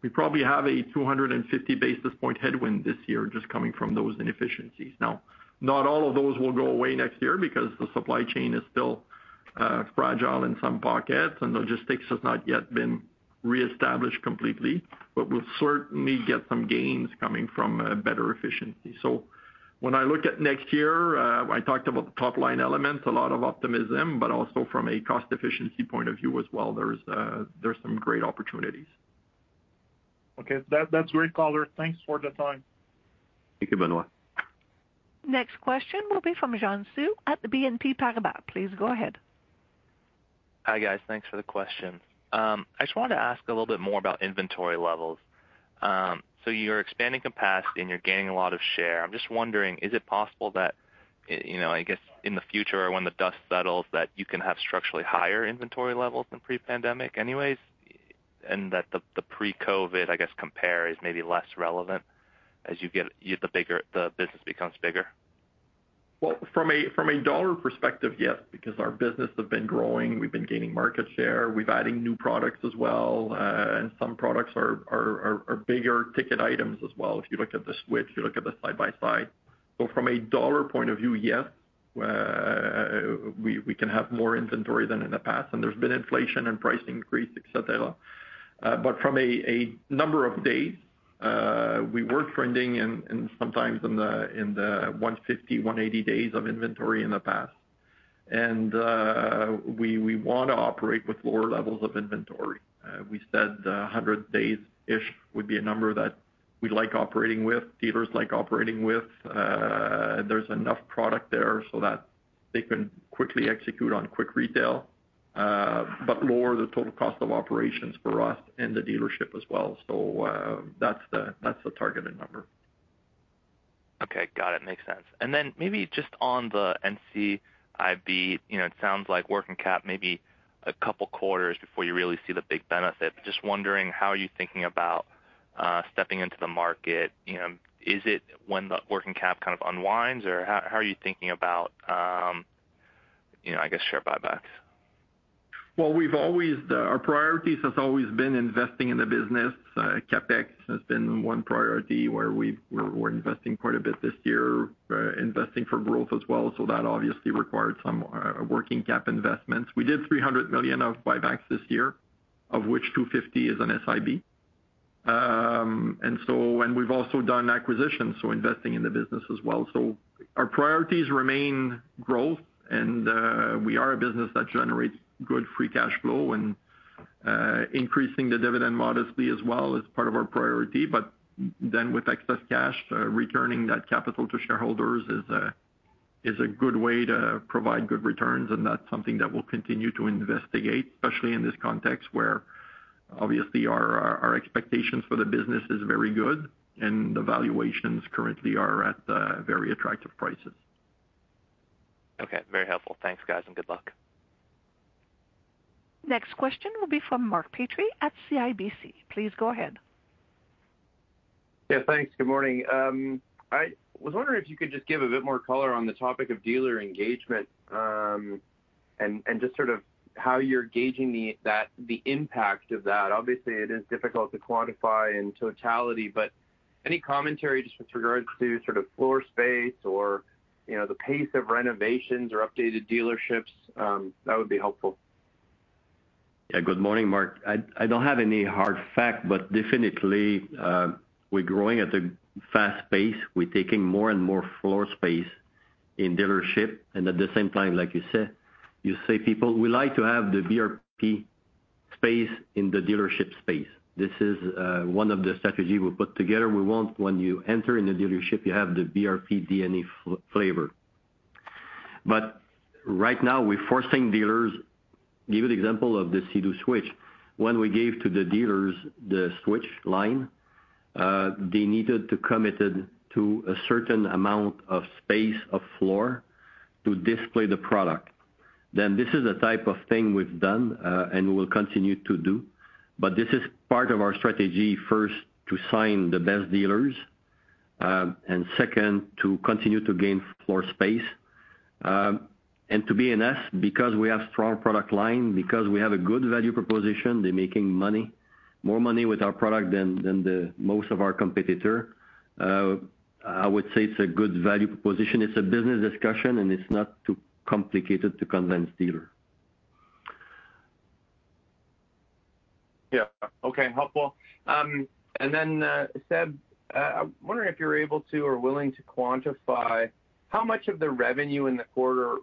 We probably have a 250 basis points headwind this year just coming from those inefficiencies. Not all of those will go away next year because the supply chain is still fragile in some pockets, and logistics has not yet been reestablished completely, but we'll certainly get some gains coming from better efficiency. When I look at next year, I talked about the top-line elements, a lot of optimism, but also from a cost efficiency point of view as well, there's some great opportunities. Okay. That's great color. Thanks for the time. Thank you, Benoit. Next question will be from Xian Siew at the BNP Paribas. Please go ahead. Hi, guys. Thanks for the question. I just wanted to ask a little bit more about inventory levels. So you're expanding capacity and you're gaining a lot of share. I'm just wondering, is it possible that, you know, I guess in the future or when the dust settles, that you can have structurally higher inventory levels than pre-pandemic anyways, and that the pre-COVID, I guess, compare is maybe less relevant as the business becomes bigger? From a dollar perspective, yes, because our business have been growing, we've been gaining market share, we've adding new products as well, and some products are bigger ticket items as well, if you look at the Switch, you look at the side-by-side. From a dollar point of view, yes, we can have more inventory than in the past, and there's been inflation and price increase, et cetera. But from a number of days, we were trending sometimes in the 150, 180 days of inventory in the past. We wanna operate with lower levels of inventory. We said 100 days-ish would be a number that we like operating with, dealers like operating with. There's enough product there so that they can quickly execute on quick retail, but lower the total cost of operations for us and the dealership as well. That's the targeted number. Okay. Got it. Makes sense. Maybe just on the NCIB, you know, it sounds like working cap maybe two quarters before you really see the big benefit. Just wondering how are you thinking about stepping into the market. You know, is it when the working cap kind of unwinds, or how are you thinking about, you know, I guess share buybacks? Well, we've always our priorities has always been investing in the business. CapEx has been one priority where we're investing quite a bit this year, investing for growth as well. That obviously required some working cap investments. We did 300 million of buybacks this year, of which 250 is on SIB. And we've also done acquisitions, so investing in the business as well. Our priorities remain growth, and we are a business that generates good free cash flow. Increasing the dividend modestly as well is part of our priority. With excess cash, returning that capital to shareholders is a good way to provide good returns, and that's something that we'll continue to investigate, especially in this context where obviously our expectations for the business is very good and the valuations currently are at very attractive prices. Okay. Very helpful. Thanks, guys, and good luck. Next question will be from Mark Petrie at CIBC. Please go ahead. Thanks. Good morning. I was wondering if you could just give a bit more color on the topic of dealer engagement, and just sort of how you're gauging the impact of that. Obviously it is difficult to quantify in totality, but any commentary just with regards to sort of floor space or, you know, the pace of renovations or updated dealerships, that would be helpful. Yeah. Good morning, Mark. I don't have any hard fact, definitely, we're growing at a fast pace. We're taking more and more floor space in dealership. At the same time, like you said, you say people, we like to have the BRP space in the dealership space. This is one of the strategy we put together. We want when you enter in the dealership, you have the BRP DNA flavor. Right now, we're forcing dealers. Give you the example of the Sea-Doo Switch. When we gave to the dealers the Switch line, they needed to committed to a certain amount of space of floor to display the product. This is the type of thing we've done and we will continue to do. This is part of our strategy, first to sign the best dealers, and second, to continue to gain floor space. To be honest, because we have strong product line, because we have a good value proposition, they're making money, more money with our product than the most of our competitor. I would say it's a good value proposition. It's a business discussion, and it's not too complicated to convince dealer. Yeah. Okay. Helpful. Séb, I'm wondering if you're able to or willing to quantify how much of the revenue in the quarter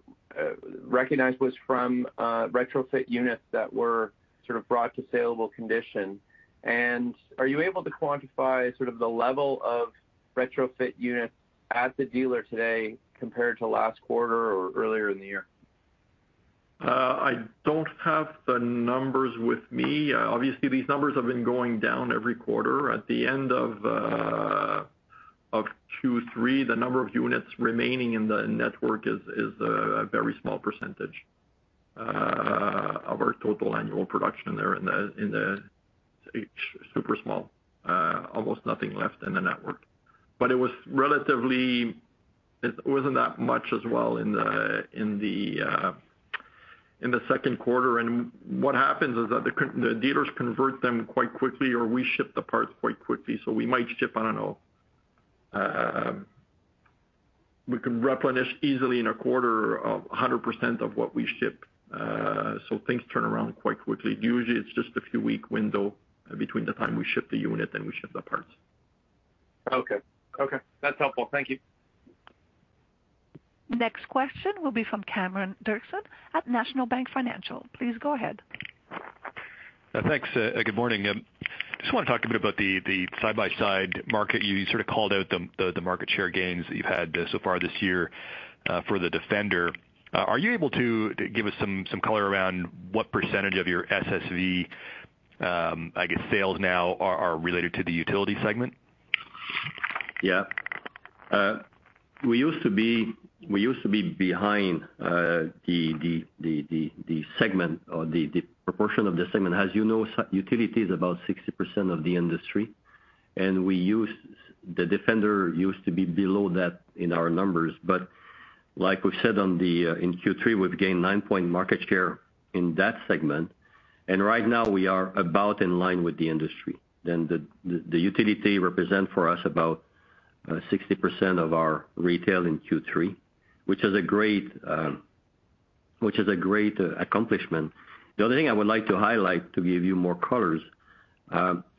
recognized was from retrofit units that were sort of brought to saleable condition. Are you able to quantify sort of the level of retrofit units at the dealer today compared to last quarter or earlier in the year? I don't have the numbers with me. Obviously these numbers have been going down every quarter. At the end of Q3, the number of units remaining in the network is a very small percentage of our total annual production. Almost nothing left in the network. It wasn't that much as well in the second quarter. What happens is that the dealers convert them quite quickly, or we ship the parts quite quickly. We might ship, I don't know, we can replenish easily in a quarter of 100% of what we ship. Things turn around quite quickly. Usually it's just a few week window between the time we ship the unit and we ship the parts. Okay. Okay. That's helpful. Thank you. Next question will be from Cameron Doerksen at National Bank Financial. Please go ahead. Thanks. Good morning. Just wanna talk a bit about the side-by-side market. You sort of called out the market share gains that you've had so far this year for the Defender. Are you able to give us some color around what percentage of your SSV, I guess, sales now are related to the utility segment? We used to be behind the segment or the proportion of the segment. As you know, SSV-utility is about 60% of the industry. The Defender used to be below that in our numbers. Like we said on the, in Q3, we've gained 9-point market share in that segment. Right now we are about in line with the industry. The utility represent for us about 60% of our retail in Q3, which is a great, which is a great accomplishment. The other thing I would like to highlight to give you more colors,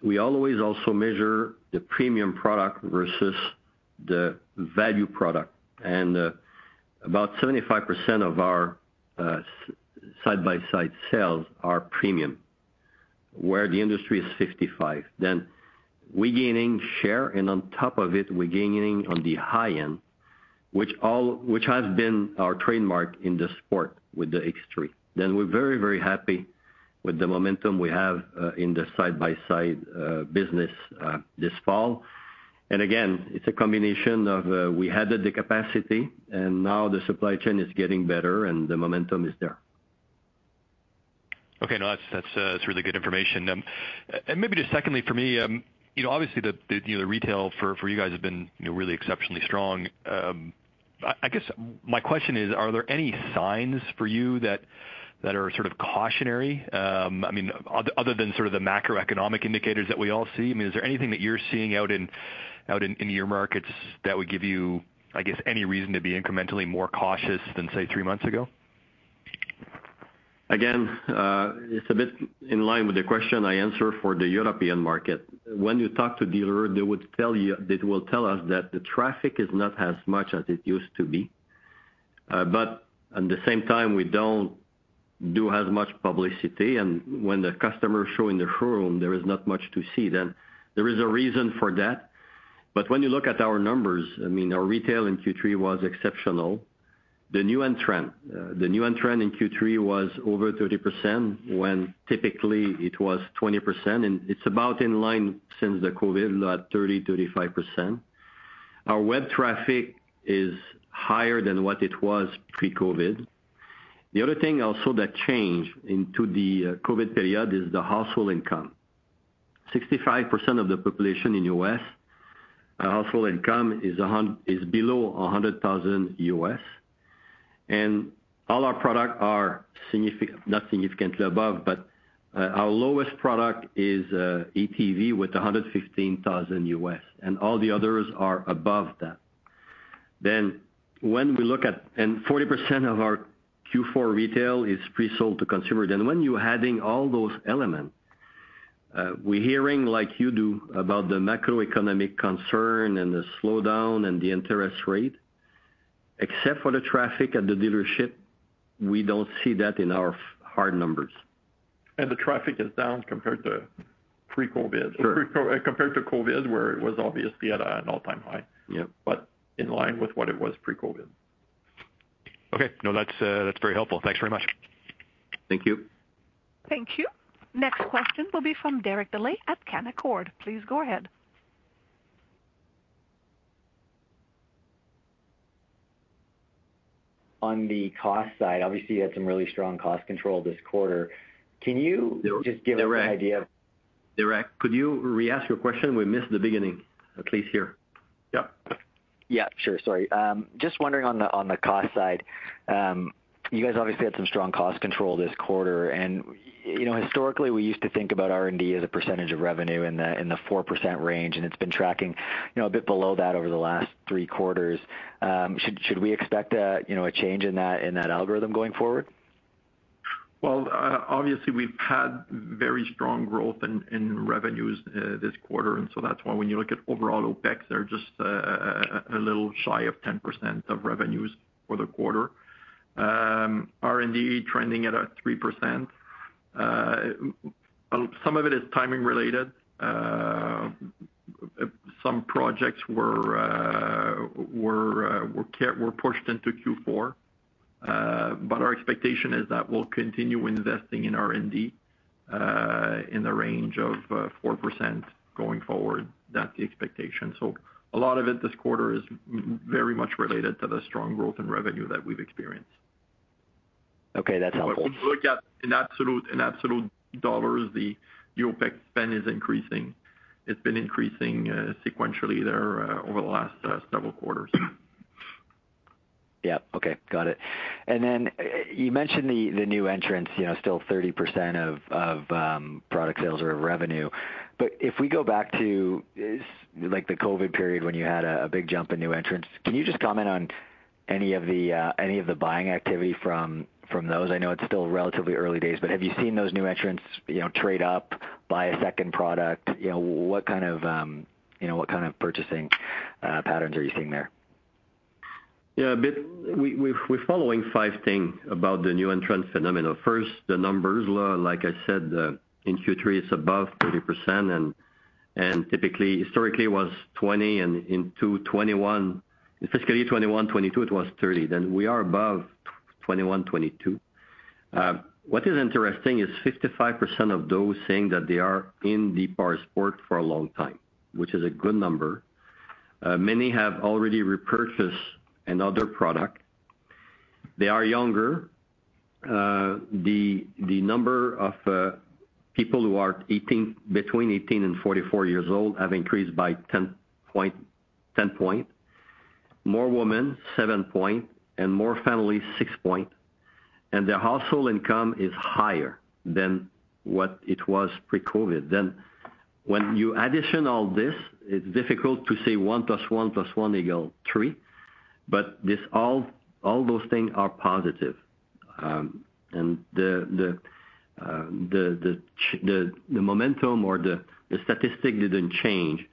we always also measure the premium product versus the value product. About 75% of our side-by-side sales are premium, where the industry is 55%. We gaining share, and on top of it, we're gaining on the high end, which has been our trademark in the sport with the X3. We're very, very happy with the momentum we have in the side-by-side business this fall. Again, it's a combination of, we added the capacity and now the supply chain is getting better and the momentum is there. Okay. No, that's really good information. Maybe just secondly for me, you know, obviously the, you know, retail for you guys has been, you know, really exceptionally strong. I guess my question is, are there any signs for you that are sort of cautionary? I mean other than sort of the macroeconomic indicators that we all see. I mean, is there anything that you're seeing out in your markets that would give you, I guess, any reason to be incrementally more cautious than, say, three months ago? It's a bit in line with the question I answer for the European market. When you talk to dealer, they would tell you, they will tell us that the traffic is not as much as it used to be. At the same time we don't do as much publicity and when the customer show in the showroom, there is not much to see then. There is a reason for that. When you look at our numbers, I mean our retail in Q3 was exceptional. The new entrant in Q3 was over 30% when typically it was 20%, and it's about in line since the COVID at 30%-35%. Our web traffic is higher than what it was pre-COVID. The other thing also that changed into the COVID period is the household income. 65% of the population in U.S. household income is below $100,000. All our product are not significantly above, but our lowest product is ATV with $115,000, and all the others are above that. When we look at... 40% of our Q4 retail is pre-sold to consumer. When you're adding all those elements, we hearing like you do about the macroeconomic concern and the slowdown and the interest rate. Except for the traffic at the dealerships, we don't see that in our hard numbers. The traffic is down compared to pre-COVID? Sure. compared to COVID, where it was obviously at an all-time high. Yep. In line with what it was pre-COVID. Okay. No, that's very helpful. Thanks very much. Thank you. Thank you. Next question will be from Derek Dley at Canaccord. Please go ahead. On the cost side, obviously, you had some really strong cost control this quarter. Can you just give us an idea- Derek, could you re-ask your question? We missed the beginning, at least here. Yep. Yeah, sure. Sorry. Just wondering on the cost side, you guys obviously had some strong cost control this quarter. You know, historically, we used to think about R&D as a percentage of revenue in the 4% range, and it's been tracking, you know, a bit below that over the last three quarters. Should we expect a, you know, a change in that, in that algorithm going forward? Obviously, we've had very strong growth in revenues this quarter, that's why when you look at overall OpEx, they're just a little shy of 10% of revenues for the quarter. R&D trending at 3%. Some of it is timing related. Some projects were pushed into Q4. Our expectation is that we'll continue investing in R&D in the range of 4% going forward. That's the expectation. A lot of it this quarter is very much related to the strong growth in revenue that we've experienced. Okay, that's helpful. If you look at in absolute dollars, the year OpEx spend is increasing. It's been increasing sequentially there over the last several quarters. Yeah. Okay. Got it. You mentioned the new entrants, you know, still 30% of product sales or revenue. If we go back to like the COVID period when you had a big jump in new entrants, can you just comment on any of the buying activity from those? I know it's still relatively early days, but have you seen those new entrants, you know, trade up, buy a second product? You know, what kind of, what kind of purchasing patterns are you seeing there? We're following five things about the new entrant phenomenon. First, the numbers. Like I said, in Q3, it's above 30%. Typically, historically, it was 20%, in fiscal year 2021, 2022, it was 30%. We are above 2021, 2022. What is interesting is 55% of those saying that they are in the powersports for a long time, which is a good number. Many have already repurchase another product. They are younger. The number of people who are between 18 and 44 years old have increased by 10 point. More women, 7 point, and more families, 6 point. Their household income is higher than what it was pre-COVID. When you add all this, it's difficult to say 1+1+1=3, but all those things are positive. And the momentum or the statistic didn't change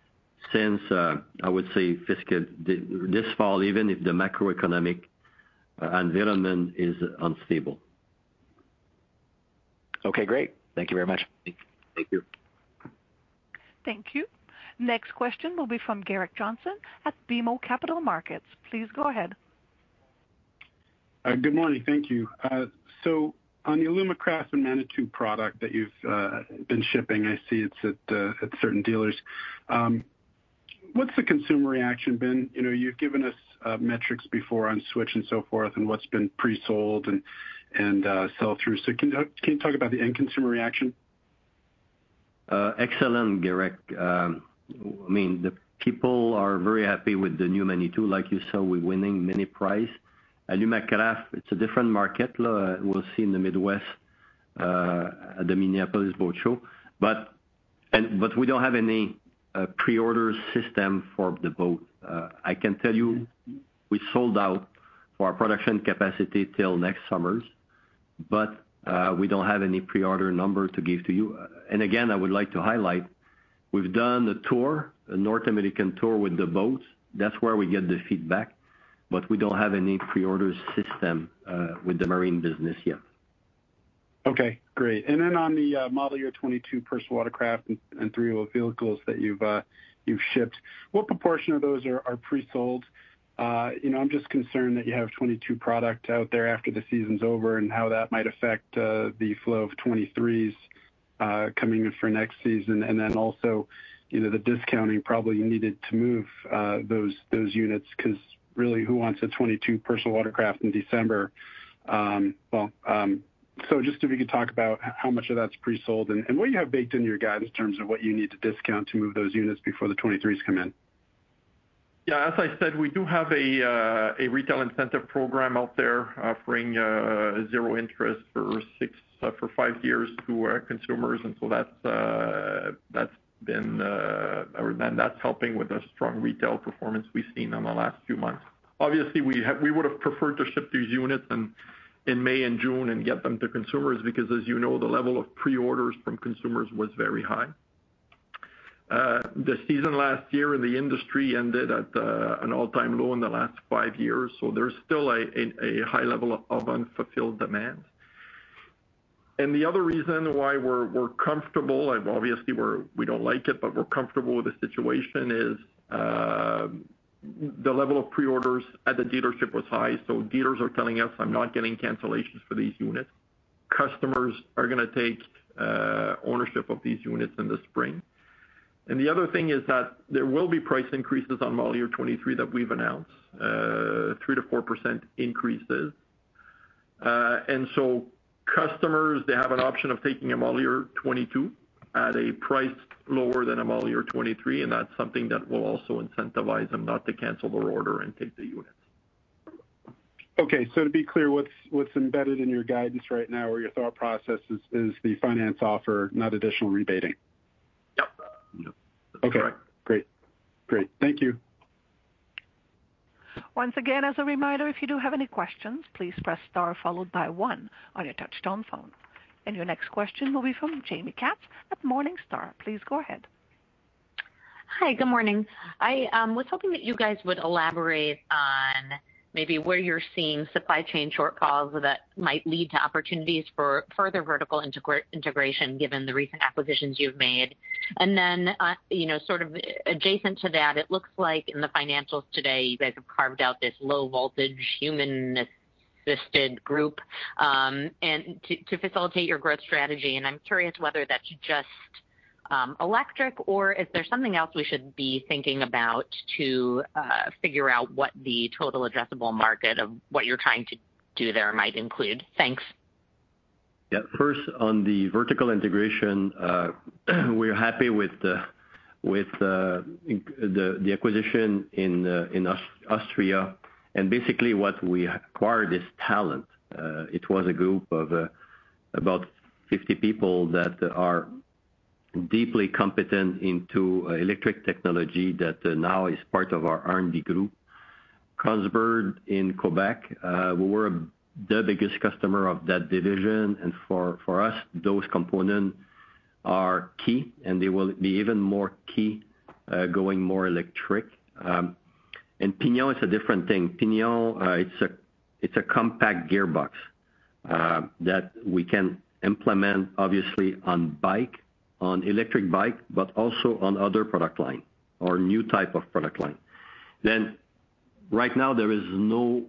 since, I would say fiscal this fall, even if the macroeconomic environment is unstable. Okay, great. Thank you very much. Thank you. Thank you. Next question will be from Garrick Johnson at BMO Capital Markets. Please go ahead. Good morning. Thank you. On the Alumacraft and Manitou product that you've been shipping, I see it's at certain dealers. What's the consumer reaction been? You know, you've given us metrics before on Switch and so forth and what's been pre-sold and sell-through. Can you talk about the end consumer reaction? Excellent, Garrick. I mean, the people are very happy with the new Manitou. Like you saw, we're winning many prize. Alumacraft, it's a different market. We'll see in the Midwest at the Minneapolis Boat Show. We don't have any pre-order system for the boat. I can tell you we sold out for our production capacity till next summers, but we don't have any pre-order number to give to you. Again, I would like to highlight, we've done a tour, a North American tour with the boats. That's where we get the feedback, but we don't have any pre-order system with the marine business yet. Okay, great. On the model year 2022 personal watercraft and 3-Wheel vehicles that you've shipped, what proportion of those are pre-sold? You know, I'm just concerned that you have 2022 product out there after the season's over and how that might affect the flow of 2023s coming in for next season. Also, you know, the discounting probably you needed to move those units 'cause really who wants a 2022 personal watercraft in December? Just if you could talk about how much of that's pre-sold and what you have baked into your guide in terms of what you need to discount to move those units before the 2023s come in. As I said, we do have a retail incentive program out there offering zero interest for five years to our consumers. That's been or that's helping with the strong retail performance we've seen in the last few months. Obviously, we would have preferred to ship these units in May and June and get them to consumers because, as you know, the level of pre-orders from consumers was very high. The season last year in the industry ended at an all-time low in the last five years, so there's still a high level of unfulfilled demand. The other reason why we're comfortable, and obviously we don't like it, but we're comfortable with the situation, is the level of pre-orders at the dealership was high, so dealers are telling us, "I'm not getting cancellations for these units." Customers are gonna take ownership of these units in the spring. The other thing is that there will be price increases on model year 2023 that we've announced, 3%-4% increases. And so customers, they have an option of taking a model year 2022 at a price lower than a model year 2023, and that's something that will also incentivize them not to cancel their order and take the units. To be clear, what's embedded in your guidance right now or your thought process is the finance offer, not additional rebating? Yep. Okay. That's correct. Great. Great. Thank you. Once again, as a reminder, if you do have any questions, please press star followed by one on your touchtone phone. Your next question will be from Jaime Katz at Morningstar. Please go ahead. Hi, good morning. I was hoping that you guys would elaborate on maybe where you're seeing supply chain shortfalls that might lead to opportunities for further vertical integration, given the recent acquisitions you've made. You know, sort of adjacent to that, it looks like in the financials today, you guys have carved out this Low Voltage & Human Assisted Group, and to facilitate your growth strategy, and I'm curious whether that's just electric or is there something else we should be thinking about to figure out what the total addressable market of what you're trying to do there might include? Thanks. Yeah. First, on the vertical integration, we're happy with the acquisition in Austria. What we acquired is talent. It was a group of about 50 people that are deeply competent into electric technology that now is part of our R&D group. Kongsberg in Quebec, we were the biggest customer of that division. For us, those components are key, and they will be even more key going more electric. Pinion is a different thing. Pinion, it's a compact gearbox that we can implement obviously on bike, on electric bike, but also on other product line or new type of product line. Right now there is no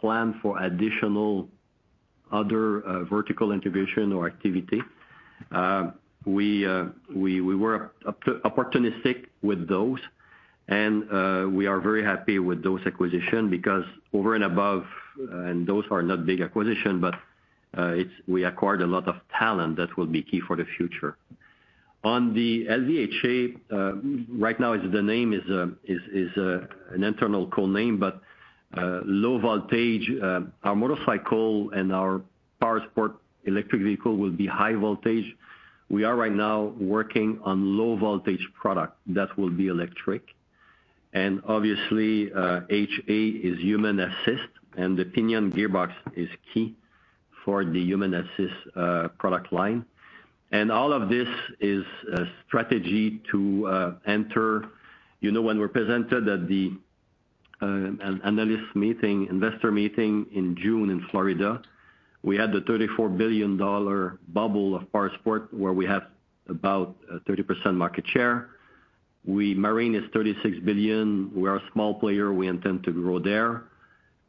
plan for additional other vertical integration or activity. We were opportunistic with those and we are very happy with those acquisition because over and above, and those are not big acquisition, but we acquired a lot of talent that will be key for the future. On the LVHA, right now is the name is an internal code name, but low voltage. Our motorcycle and our powersports electric vehicle will be high voltage. We are right now working on low voltage product that will be electric. Obviously, HA is human assist, and the Pinion gearbox is key for the human assist product line. All of this is a strategy to enter... You know, when we presented at the analyst meeting, investor meeting in June in Florida, we had the 34 billion dollar bubble of powersports, where we have about 30% market share. Marine is 36 billion. We are a small player. We intend to grow there.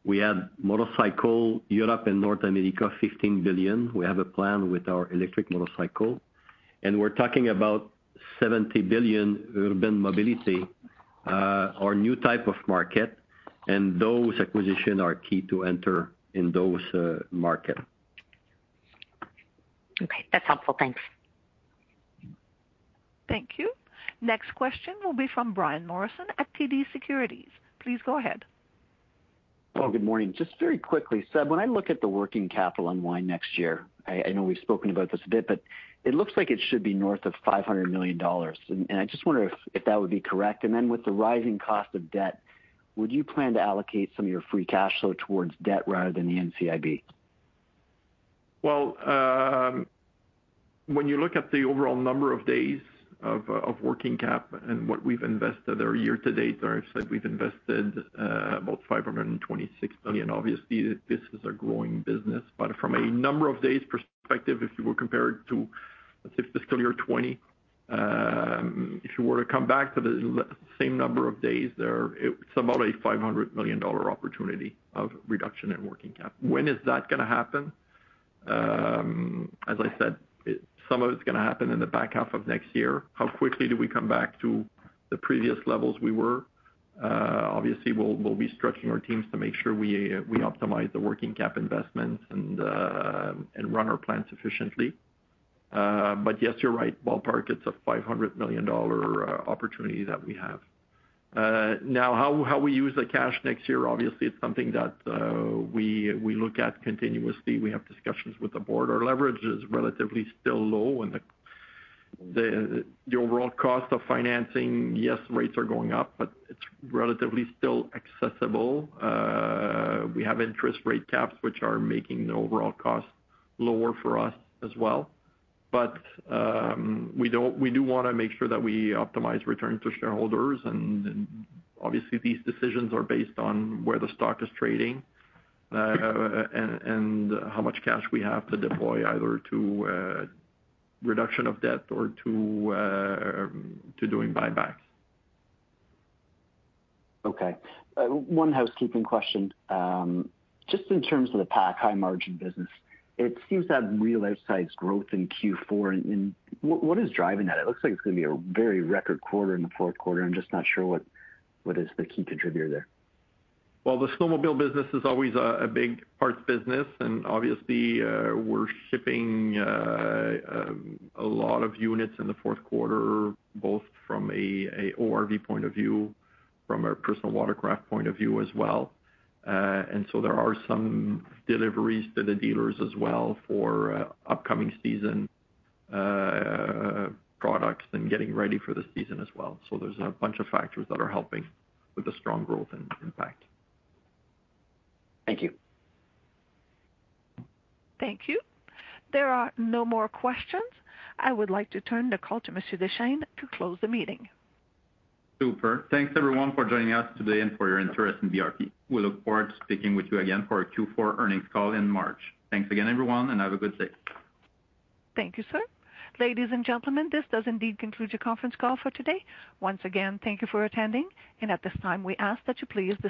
We have motorcycle, Europe and North America, 15 billion. We have a plan with our electric motorcycle. We're talking about 70 billion urban mobility, our new type of market, and those acquisitions are key to enter in those market. Okay. That's helpful. Thanks. Thank you. Next question will be from Brian Morrison at TD Securities. Please go ahead. Well, good morning. Just very quickly, Séb, when I look at the working capital unwind next year, I know we've spoken about this a bit, but it looks like it should be north of $500 million. I just wonder if that would be correct. With the rising cost of debt, would you plan to allocate some of your free cash flow towards debt rather than the NCIB? Well, when you look at the overall number of days of working cap and what we've invested there year-to-date, as I said, we've invested about $526 million. Obviously this is a growing business. From a number of days perspective, if you were compared to, let's say, fiscal year 2020, if you were to come back to the same number of days there, it's about a $500 million opportunity of reduction in working cap. When is that going to happen? As I said, some of it's going to happen in the back half of next year. How quickly do we come back to the previous levels we were? Obviously we'll be stretching our teams to make sure we optimize the working cap investments and run our plants efficiently. Yes, you're right. Ballpark, it's a 500 million dollar opportunity that we have. Now how we use the cash next year, obviously it's something that we look at continuously. We have discussions with the board. Our leverage is relatively still low and the overall cost of financing, yes, rates are going up, but it's relatively still accessible. We have interest rate caps which are making the overall cost lower for us as well. We do wanna make sure that we optimize return to shareholders and obviously these decisions are based on where the stock is trading, and how much cash we have to deploy either to reduction of debt or to doing buybacks. Okay. one housekeeping question. just in terms of the pack high margin business, it seems to have real outsized growth in Q4. What is driving that? It looks like it's going to be a very record quarter in the fourth quarter. I'm just not sure what is the key contributor there. Well, the snowmobile business is always a big parts business and obviously, we're shipping a lot of units in the fourth quarter, both from a ORV point of view, from a personal watercraft point of view as well. There are some deliveries to the dealers as well for upcoming season products and getting ready for the season as well. There's a bunch of factors that are helping with the strong growth in PAC. Thank you. Thank you. There are no more questions. I would like to turn the call to Monsieur Deschênes to close the meeting. Super. Thanks everyone for joining us today and for your interest in BRP. We look forward to speaking with you again for our Q4 earnings call in March. Thanks again, everyone, and have a good day. Thank you, sir. Ladies, and gentlemen, this does indeed conclude your conference call for today. Once again, thank you for attending. At this time, we ask that you please-